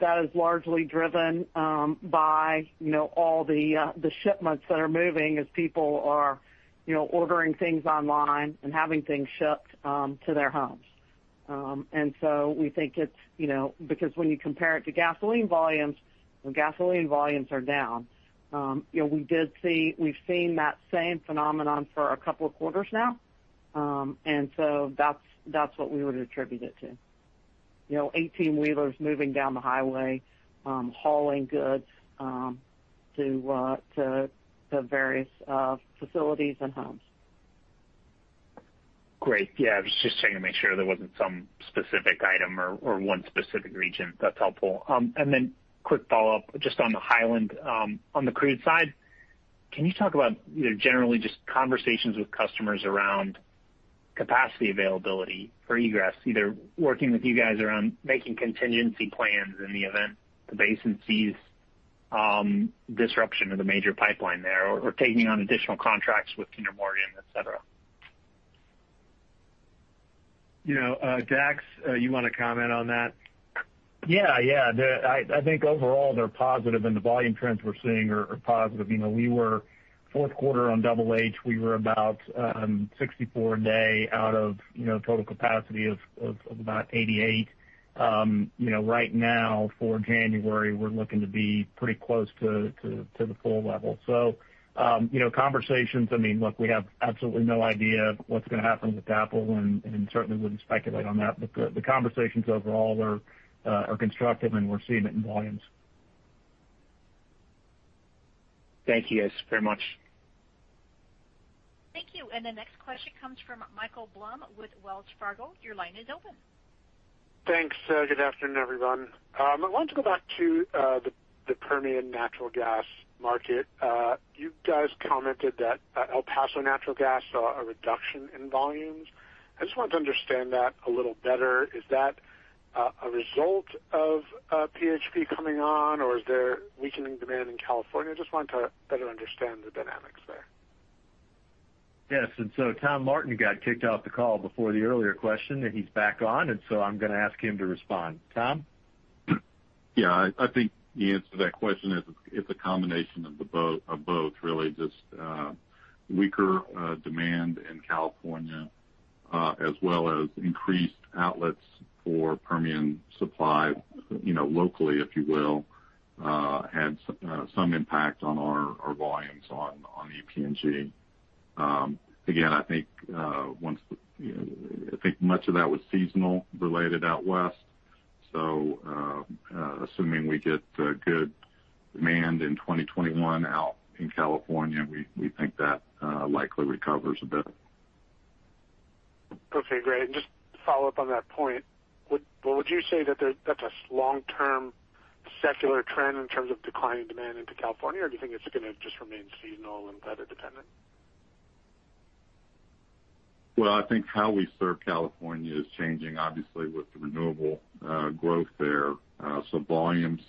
that is largely driven by all the shipments that are moving as people are ordering things online and having things shipped to their homes. We think it's because when you compare it to gasoline volumes, the gasoline volumes are down. We've seen that same phenomenon for a couple of quarters now. That's what we would attribute it to. 18-wheelers moving down the highway, hauling goods to various facilities and homes. Great. Yeah, I was just checking to make sure there wasn't some specific item or one specific region. That's helpful. Quick follow-up just on the Hiland. On the crude side, can you talk about generally just conversations with customers around capacity availability for egress, either working with you guys around making contingency plans in the event the basin sees disruption of the major pipeline there or taking on additional contracts with Kinder Morgan, et cetera? Dax, you want to comment on that? I think overall they're positive and the volume trends we're seeing are positive. Fourth quarter on Double H, we were about 64 a day out of total capacity of about 88. Right now for January, we're looking to be pretty close to the full level. Conversations, look, we have absolutely no idea what's going to happen with DAPL and certainly wouldn't speculate on that. The conversations overall are constructive, and we're seeing it in volumes. Thank you guys very much. Thank you. The next question comes from Michael Blum with Wells Fargo. Your line is open. Thanks. Good afternoon, everyone. I wanted to go back to the Permian natural gas market. You guys commented that El Paso Natural Gas saw a reduction in volumes. I just wanted to understand that a little better. Is that a result of PHP coming on, or is there weakening demand in California? I just wanted to better understand the dynamics there. Yes. Tom Martin got kicked off the call before the earlier question, and he's back on, and so I'm going to ask him to respond. Tom? I think the answer to that question is it's a combination of both, really. Just weaker demand in California as well as increased outlets for Permian supply locally, if you will, had some impact on our volumes on EPNG. Again, I think much of that was seasonal related out west. Assuming we get good demand in 2021 out in California, we think that likely recovers a bit. Okay, great. Just to follow up on that point, would you say that that's a long-term secular trend in terms of declining demand into California, or do you think it's going to just remain seasonal and weather dependent? Well, I think how we serve California is changing, obviously, with the renewable growth there. Volumes,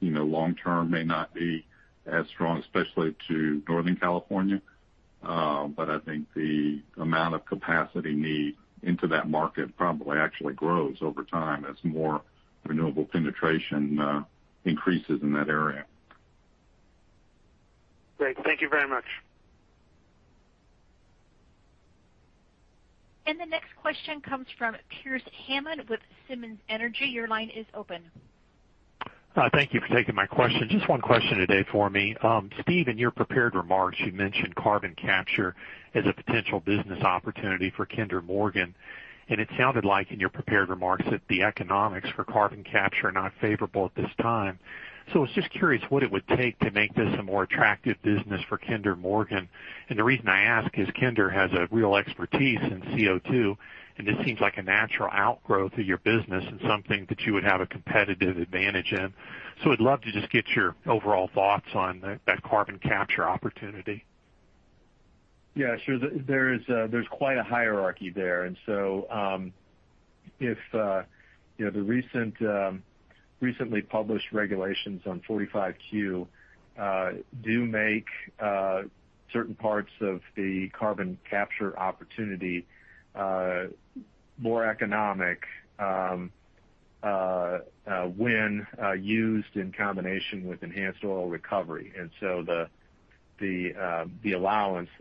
long-term may not be as strong, especially to Northern California. I think the amount of capacity need into that market probably actually grows over time as more renewable penetration increases in that area. Great. Thank you very much. The next question comes from Pearce Hammond with Simmons Energy. Your line is open. Thank you for taking my question. Just one question today for me. Steve, in your prepared remarks, you mentioned carbon capture as a potential business opportunity for Kinder Morgan. It sounded like in your prepared remarks that the economics for carbon capture are not favorable at this time. I was just curious what it would take to make this a more attractive business for Kinder Morgan. The reason I ask is Kinder has a real expertise in CO2, and this seems like a natural outgrowth of your business and something that you would have a competitive advantage in. I'd love to just get your overall thoughts on that carbon capture opportunity. Yeah, sure. There's quite a hierarchy there. If the recently published regulations on 45Q do make certain parts of the carbon capture opportunity more economic when used in combination with enhanced oil recovery. The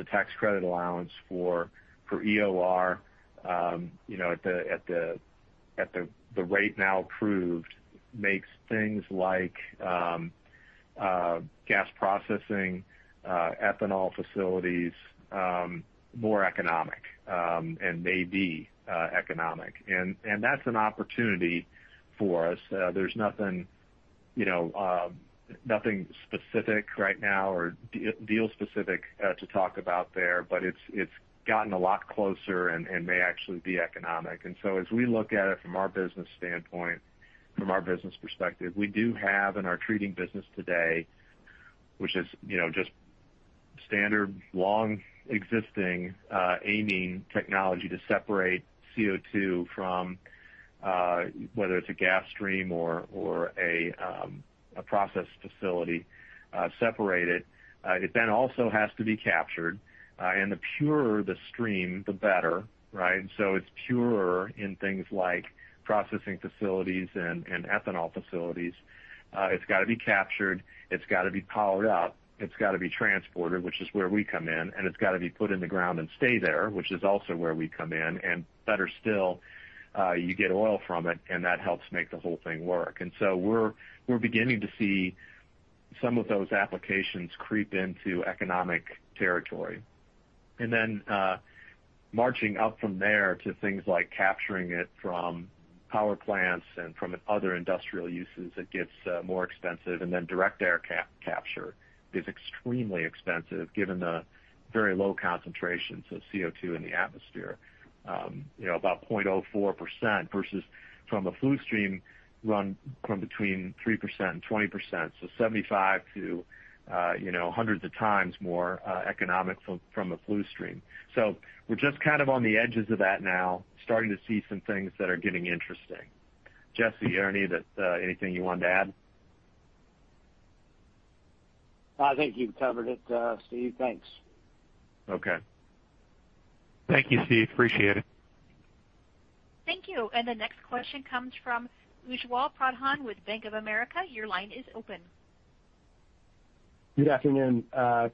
tax credit allowance for EOR at the rate now approved makes things like gas processing, ethanol facilities more economic, and may be economic. That's an opportunity for us. There's nothing specific right now or deal specific to talk about there, but it's gotten a lot closer and may actually be economic. As we look at it from our business standpoint, from our business perspective, we do have in our treating business today, which is just standard, long existing amine technology to separate CO2 whether it's a gas stream or a process facility, separate it. It also has to be captured, and the purer the stream, the better. Right? It's purer in things like processing facilities and ethanol facilities. It's got to be captured, it's got to be piled up, it's got to be transported, which is where we come in, and it's got to be put in the ground and stay there, which is also where we come in. Better still, you get oil from it, and that helps make the whole thing work. We're beginning to see some of those applications creep into economic territory. Marching up from there to things like capturing it from power plants and from other industrial uses, it gets more expensive. Direct air capture is extremely expensive given the very low concentrations of CO2 in the atmosphere. About 0.04% versus from a flue stream run from between 3% and 20%. 75 to hundreds of times more economic from a flue stream. We're just kind of on the edges of that now, starting to see some things that are getting interesting. Jesse, Ernie, anything you wanted to add? I think you've covered it, Steve. Thanks. Okay. Thank you, Steve. Appreciate it. Thank you. The next question comes from Ujjwal Pradhan with Bank of America. Your line is open. Good afternoon.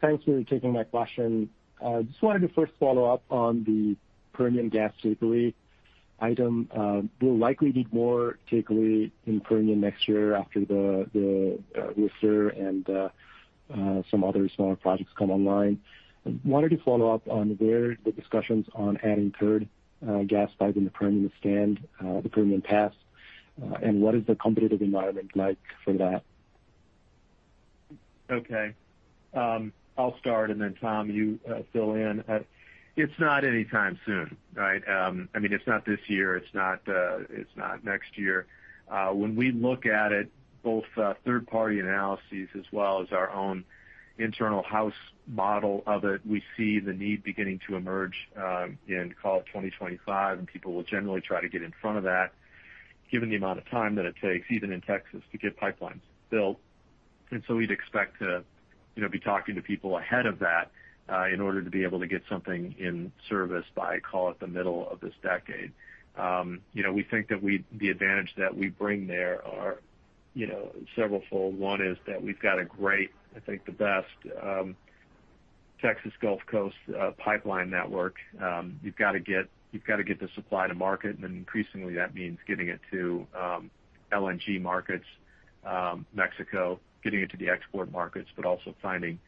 Thank you for taking my question. Just wanted to first follow up on the Permian gas take away item. We will likely need more take away in Permian next year after the Whistler and some other smaller projects come online. Wanted to follow up on there, the discussions on adding third gas pipe in the Permian stand, the Permian Pass. What is the competitive environment like for that? Okay. I'll start and then Tom, you fill in. It's not anytime soon, right? I mean, it's not this year, it's not next year. When we look at it, both third-party analyses as well as our own internal house model of it, we see the need beginning to emerge in, call it 2025. People will generally try to get in front of that given the amount of time that it takes, even in Texas, to get pipelines built. We'd expect to be talking to people ahead of that in order to be able to get something in service by, call it, the middle of this decade. We think that the advantage that we bring there are several fold. One is that we've got a great, I think the best Texas Gulf Coast pipeline network. You've got to get the supply to market, and increasingly that means getting it to LNG markets, Mexico, getting it to the export markets, but also finding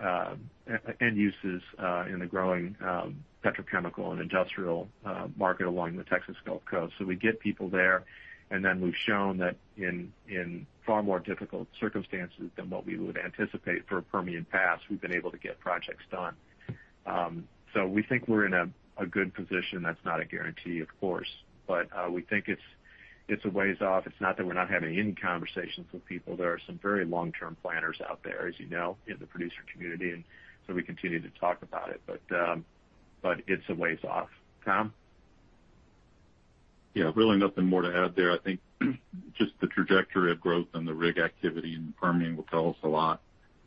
end uses in the growing petrochemical and industrial market along the Texas Gulf Coast. We get people there, and then we've shown that in far more difficult circumstances than what we would anticipate for a Permian Pass, we've been able to get projects done. We think we're in a good position. That's not a guarantee, of course, but we think it's a ways off. It's not that we're not having any conversations with people. There are some very long-term planners out there, as you know, in the producer community, and so we continue to talk about it. It's a ways off. Tom? Yeah. Really nothing more to add there. I think just the trajectory of growth and the rig activity in the Permian will tell us a lot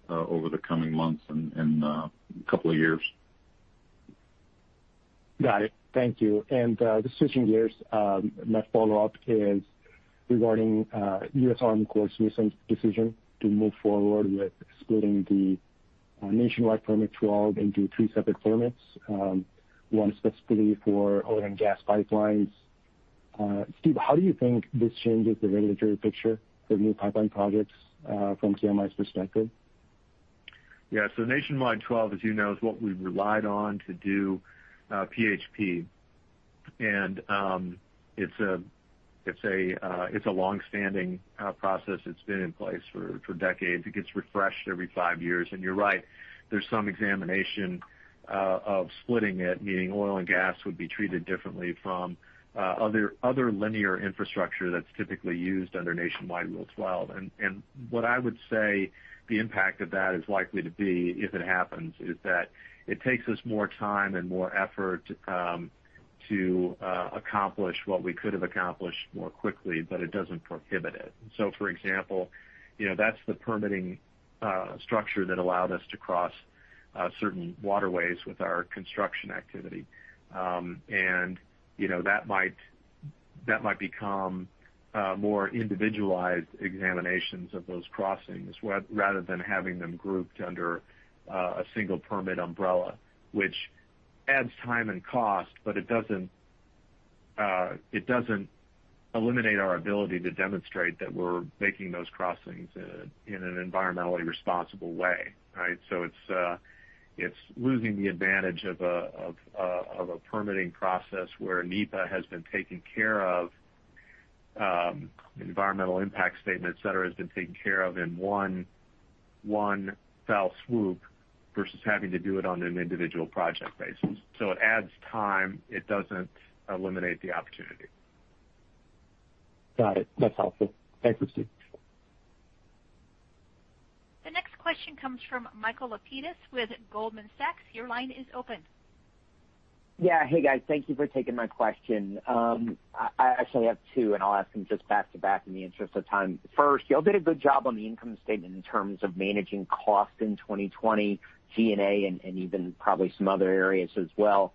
over the coming months and couple of years. Got it. Thank you. Just switching gears, my follow-up is regarding U.S. Army Corps's recent decision to move forward with splitting the Nationwide Permit 12 into three separate permits, one specifically for oil and gas pipelines. Steve, how do you think this changes the regulatory picture for new pipeline projects from KMI's perspective? Nationwide 12, as you know, is what we've relied on to do PHP. It's a long-standing process that's been in place for decades. It gets refreshed every five years. You're right, there's some examination of splitting it, meaning oil and gas would be treated differently from other linear infrastructure that's typically used under Nationwide Permit 12. What I would say the impact of that is likely to be, if it happens, is that it takes us more time and more effort to accomplish what we could have accomplished more quickly, but it doesn't prohibit it. For example, that's the permitting structure that allowed us to cross certain waterways with our construction activity. That might become more individualized examinations of those crossings rather than having them grouped under a single permit umbrella, which adds time and cost, but it doesn't eliminate our ability to demonstrate that we're making those crossings in an environmentally responsible way. Right? It's losing the advantage of a permitting process where NEPA has been taken care of, environmental impact statement, et cetera, has been taken care of in one fell swoop versus having to do it on an individual project basis. It adds time. It doesn't eliminate the opportunity. Got it. That's helpful. Thanks for, Steve. The next question comes from Michael Lapides with Goldman Sachs. Your line is open. Yeah. Hey, guys. Thank you for taking my question. I actually have two, and I'll ask them just back-to-back in the interest of time. First, you all did a good job on the income statement in terms of managing cost in 2020, G&A, and even probably some other areas as well.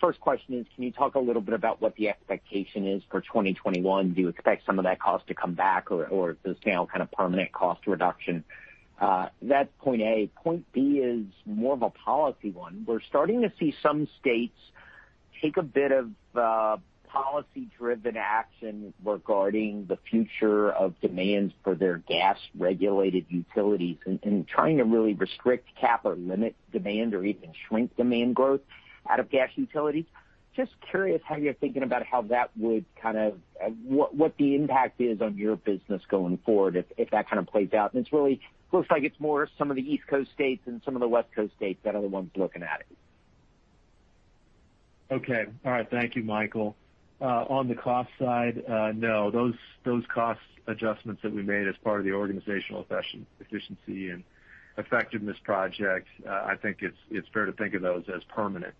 First question is, can you talk a little bit about what the expectation is for 2021? Do you expect some of that cost to come back or is this now kind of permanent cost reduction? That's point A. Point B is more of a policy one. We're starting to see some states take a bit of policy-driven action regarding the future of demands for their gas-regulated utilities and trying to really restrict, cap, or limit demand, or even shrink demand growth out of gas utilities. Just curious how you're thinking about what the impact is on your business going forward if that kind of plays out? It really looks like it's more some of the East Coast states than some of the West Coast states that are the ones looking at it. Okay. All right. Thank you, Michael. On the cost side, no. Those cost adjustments that we made as part of the organizational efficiency and effectiveness project, I think it's fair to think of those as permanent.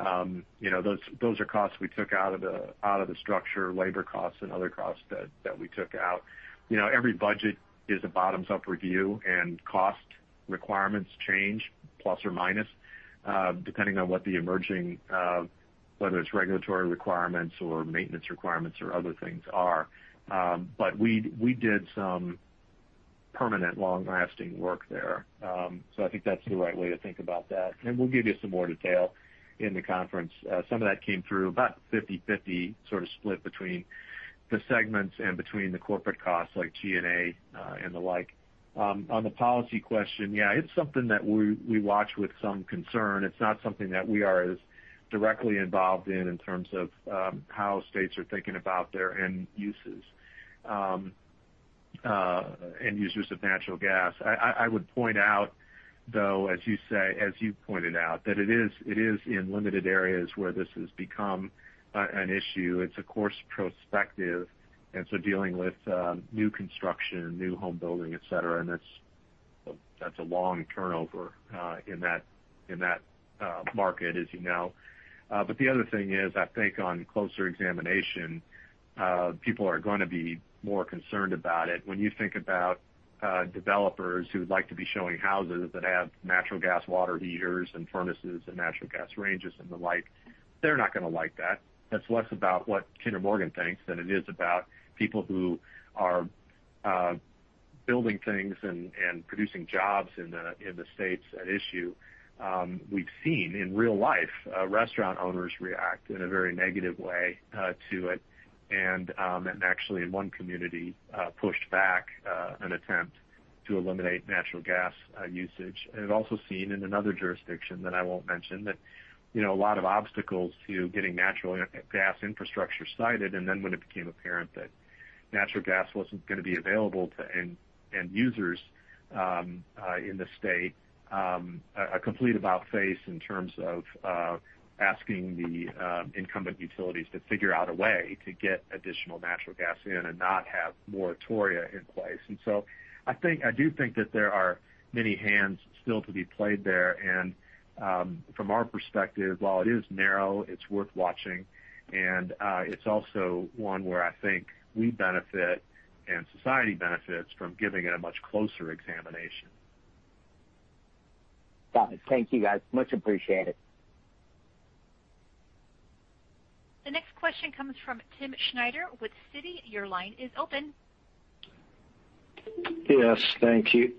Those are costs we took out of the structure, labor costs and other costs that we took out. Every budget is a bottoms-up review, cost requirements change, plus or minus, depending on what the emerging, whether it's regulatory requirements or maintenance requirements or other things are. We did some permanent, long-lasting work there. I think that's the right way to think about that. We'll give you some more detail in the conference. Some of that came through about 50/50 sort of split between the segments and between the corporate costs like G&A, and the like. On the policy question, yeah, it's something that we watch with some concern. It's not something that we are as directly involved in in terms of how states are thinking about their end uses of natural gas. I would point out, though, as you pointed out, that it is in limited areas where this has become an issue. It's of course prospective, dealing with new construction, new home building, et cetera, and that's a long turnover in that market, as you know. The other thing is, I think on closer examination, people are going to be more concerned about it. When you think about developers who like to be showing houses that have natural gas water heaters and furnaces and natural gas ranges and the like, they're not going to like that. That's less about what Kinder Morgan thinks than it is about people who are building things and producing jobs in the states at issue. We've seen in real life, restaurant owners react in a very negative way to it, and actually in one community pushed back an attempt to eliminate natural gas usage. Also seen in another jurisdiction that I won't mention, that a lot of obstacles to getting natural gas infrastructure sited, and then when it became apparent that natural gas wasn't going to be available to end users in the state, a complete about-face in terms of asking the incumbent utilities to figure out a way to get additional natural gas in and not have moratoria in place. I do think that there are many hands still to be played there, and from our perspective, while it is narrow, it's worth watching, and it's also one where I think we benefit and society benefits from giving it a much closer examination. Got it. Thank you, guys. Much appreciated. The next question comes from Timm Schneider with Citi. Your line is open. Yes. Thank you.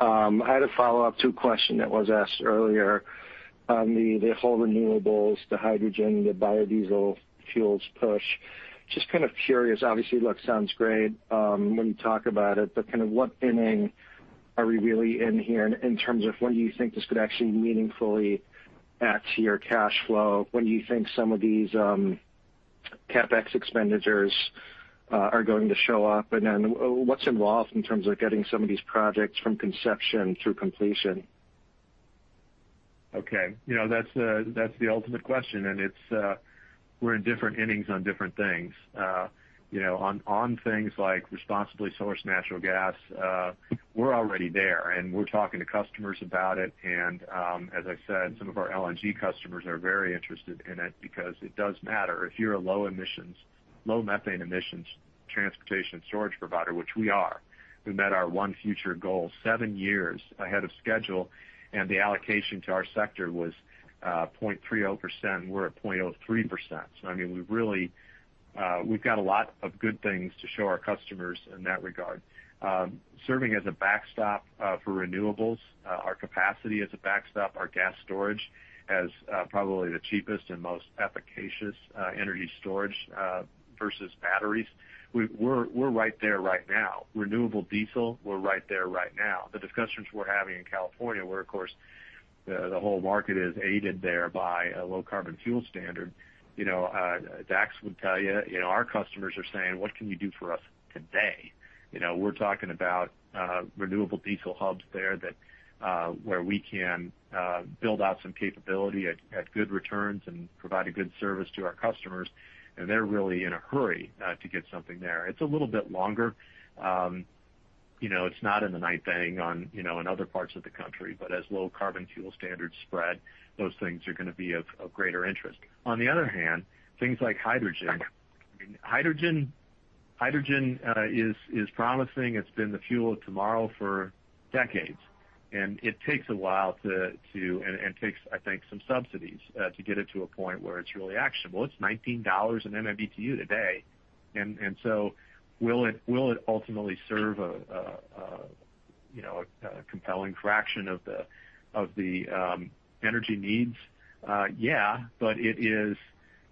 I had a follow-up to a question that was asked earlier on the whole renewables, the hydrogen, the biodiesel fuels push. Just kind of curious, obviously, look, sounds great when you talk about it, but kind of what inning are we really in here in terms of when do you think this could actually meaningfully add to your cash flow? When do you think some of these CapEx expenditures are going to show up? What's involved in terms of getting some of these projects from conception through completion? Okay. That's the ultimate question. We're in different innings on different things. On things like responsibly sourced natural gas, we're already there, and we're talking to customers about it, and as I said, some of our LNG customers are very interested in it because it does matter. If you're a low methane emissions transportation storage provider, which we are, we met our ONE Future goal seven years ahead of schedule, and the allocation to our sector was 0.30%, and we're at 0.03%. I mean, we've got a lot of good things to show our customers in that regard. Serving as a backstop for renewables, our capacity as a backstop, our gas storage as probably the cheapest and most efficacious energy storage versus batteries. We're right there right now. Renewable diesel, we're right there right now. The discussions we're having in California, where, of course, the whole market is aided there by a low carbon fuel standard. Dax would tell you, our customers are saying, "What can you do for us today?" We're talking about renewable diesel hubs there where we can build out some capability at good returns and provide a good service to our customers, and they're really in a hurry to get something there. It's a little bit longer. It's not in the night bang in other parts of the country, but as low carbon fuel standards spread, those things are going to be of greater interest. On the other hand, things like hydrogen. Hydrogen is promising. It's been the fuel of tomorrow for decades, and it takes, I think, some subsidies to get it to a point where it's really actionable. It's $19 an MMBtu today. Will it ultimately serve a compelling fraction of the energy needs? Yeah,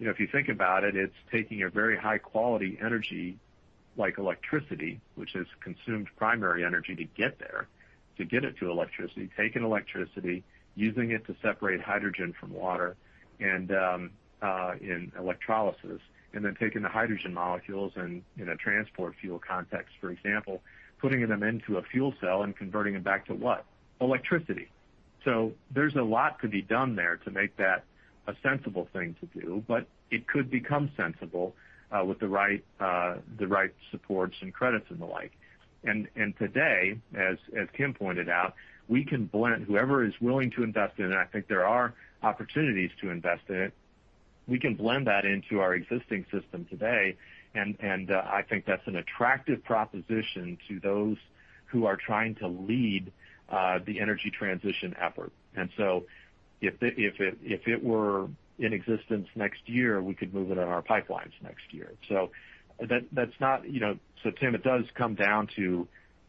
if you think about it's taking a very high-quality energy like electricity, which has consumed primary energy to get there, to get it to electricity, taking electricity, using it to separate hydrogen from water in electrolysis, and then taking the hydrogen molecules in a transport fuel context, for example, putting them into a fuel cell and converting them back to what? Electricity. There's a lot to be done there to make that a sensible thing to do, but it could become sensible with the right supports and credits and the like. Today, as Tim pointed out, we can blend whoever is willing to invest in it, and I think there are opportunities to invest in it. We can blend that into our existing system today. I think that's an attractive proposition to those who are trying to lead the energy transition effort. If it were in existence next year, we could move it on our pipelines next year. Tim, it does come down to,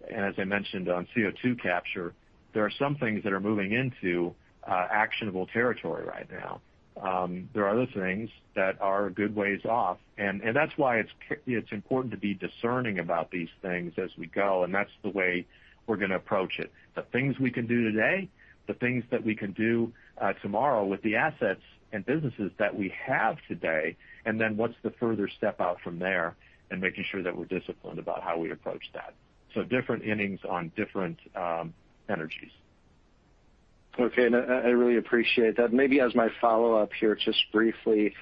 and as I mentioned on CO2 capture, there are some things that are moving into actionable territory right now. There are other things that are a good ways off, and that's why it's important to be discerning about these things as we go, and that's the way we're going to approach it. The things we can do today, the things that we can do tomorrow with the assets and businesses that we have today, and then what's the further step out from there and making sure that we're disciplined about how we approach that. Different innings on different energies. Okay. I really appreciate that. Maybe as my follow-up here, just briefly,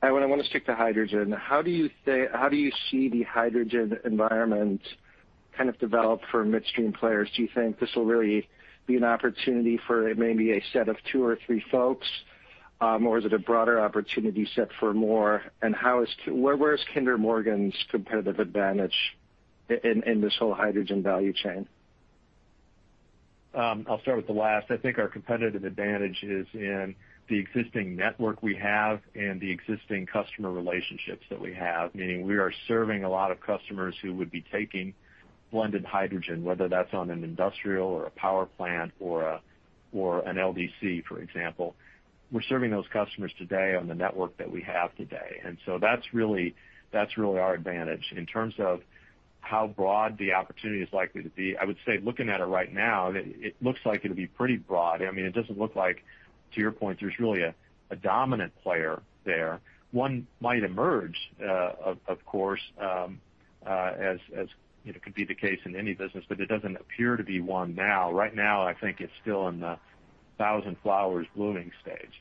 I want to stick to hydrogen. How do you see the hydrogen environment kind of develop for midstream players? Do you think this will really be an opportunity for maybe a set of two or three folks? Or is it a broader opportunity set for more? Where is Kinder Morgan's competitive advantage in this whole hydrogen value chain? I'll start with the last. I think our competitive advantage is in the existing network we have and the existing customer relationships that we have, meaning we are serving a lot of customers who would be taking blended hydrogen, whether that's on an industrial or a power plant or an LDC, for example. We're serving those customers today on the network that we have today, that's really our advantage. In terms of how broad the opportunity is likely to be, I would say looking at it right now, it looks like it'll be pretty broad. It doesn't look like, to your point, there's really a dominant player there. One might emerge, of course, as could be the case in any business, there doesn't appear to be one now. Right now, I think it's still in the 1,000 flowers blooming stage.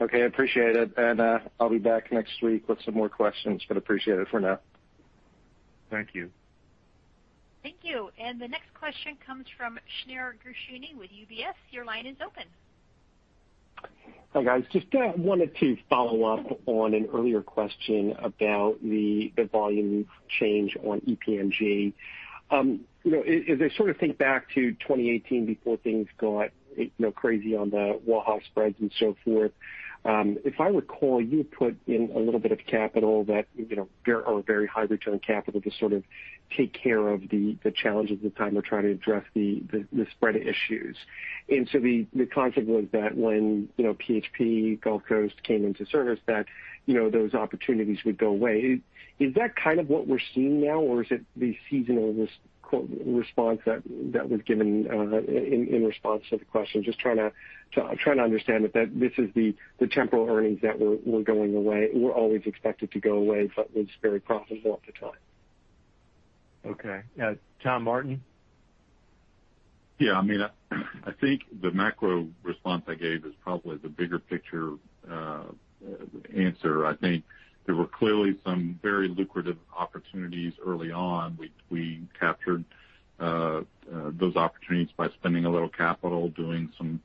Okay. I appreciate it. I'll be back next week with some more questions, but appreciate it for now. Thank you. Thank you. The next question comes from Shneur Gershuni with UBS. Your line is open. Hi, guys. Just wanted to follow up on an earlier question about the volume change on EPNG. As I think back to 2018 before things got crazy on the Waha spreads and so forth, if I recall, you had put in a little bit of capital or very high return capital to sort of take care of the challenges at the time or try to address the spread issues. The concept was that when PHP Gulf Coast came into service that those opportunities would go away. Is that kind of what we're seeing now, or is it the seasonal response that was given in response to the question? Just trying to understand if this is the temporal earnings that were going away, were always expected to go away, but was very profitable at the time. Okay. Tom Martin? Yeah. I think the macro response I gave is probably the bigger picture answer. I think there were clearly some very lucrative opportunities early on. We captured those opportunities by spending a little capital, doing some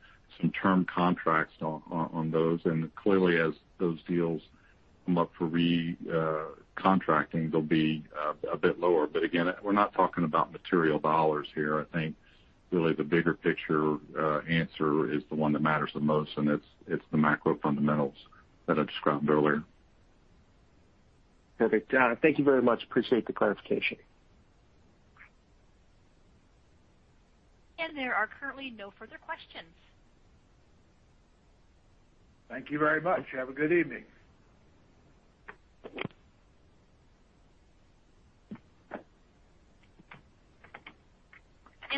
term contracts on those. Clearly, as those deals come up for recontracting, they'll be a bit lower. Again, we're not talking about material dollars here. I think really the bigger picture answer is the one that matters the most, and it's the macro fundamentals that I described earlier. Perfect. Thank you very much. Appreciate the clarification. There are currently no further questions. Thank you very much. Have a good evening.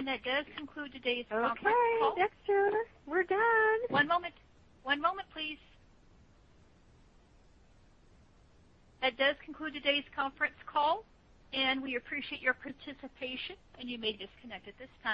That does conclude today's conference call. Okay, Dexter, we're done. One moment. One moment, please. That does conclude today's conference call. We appreciate your participation. You may disconnect at this time.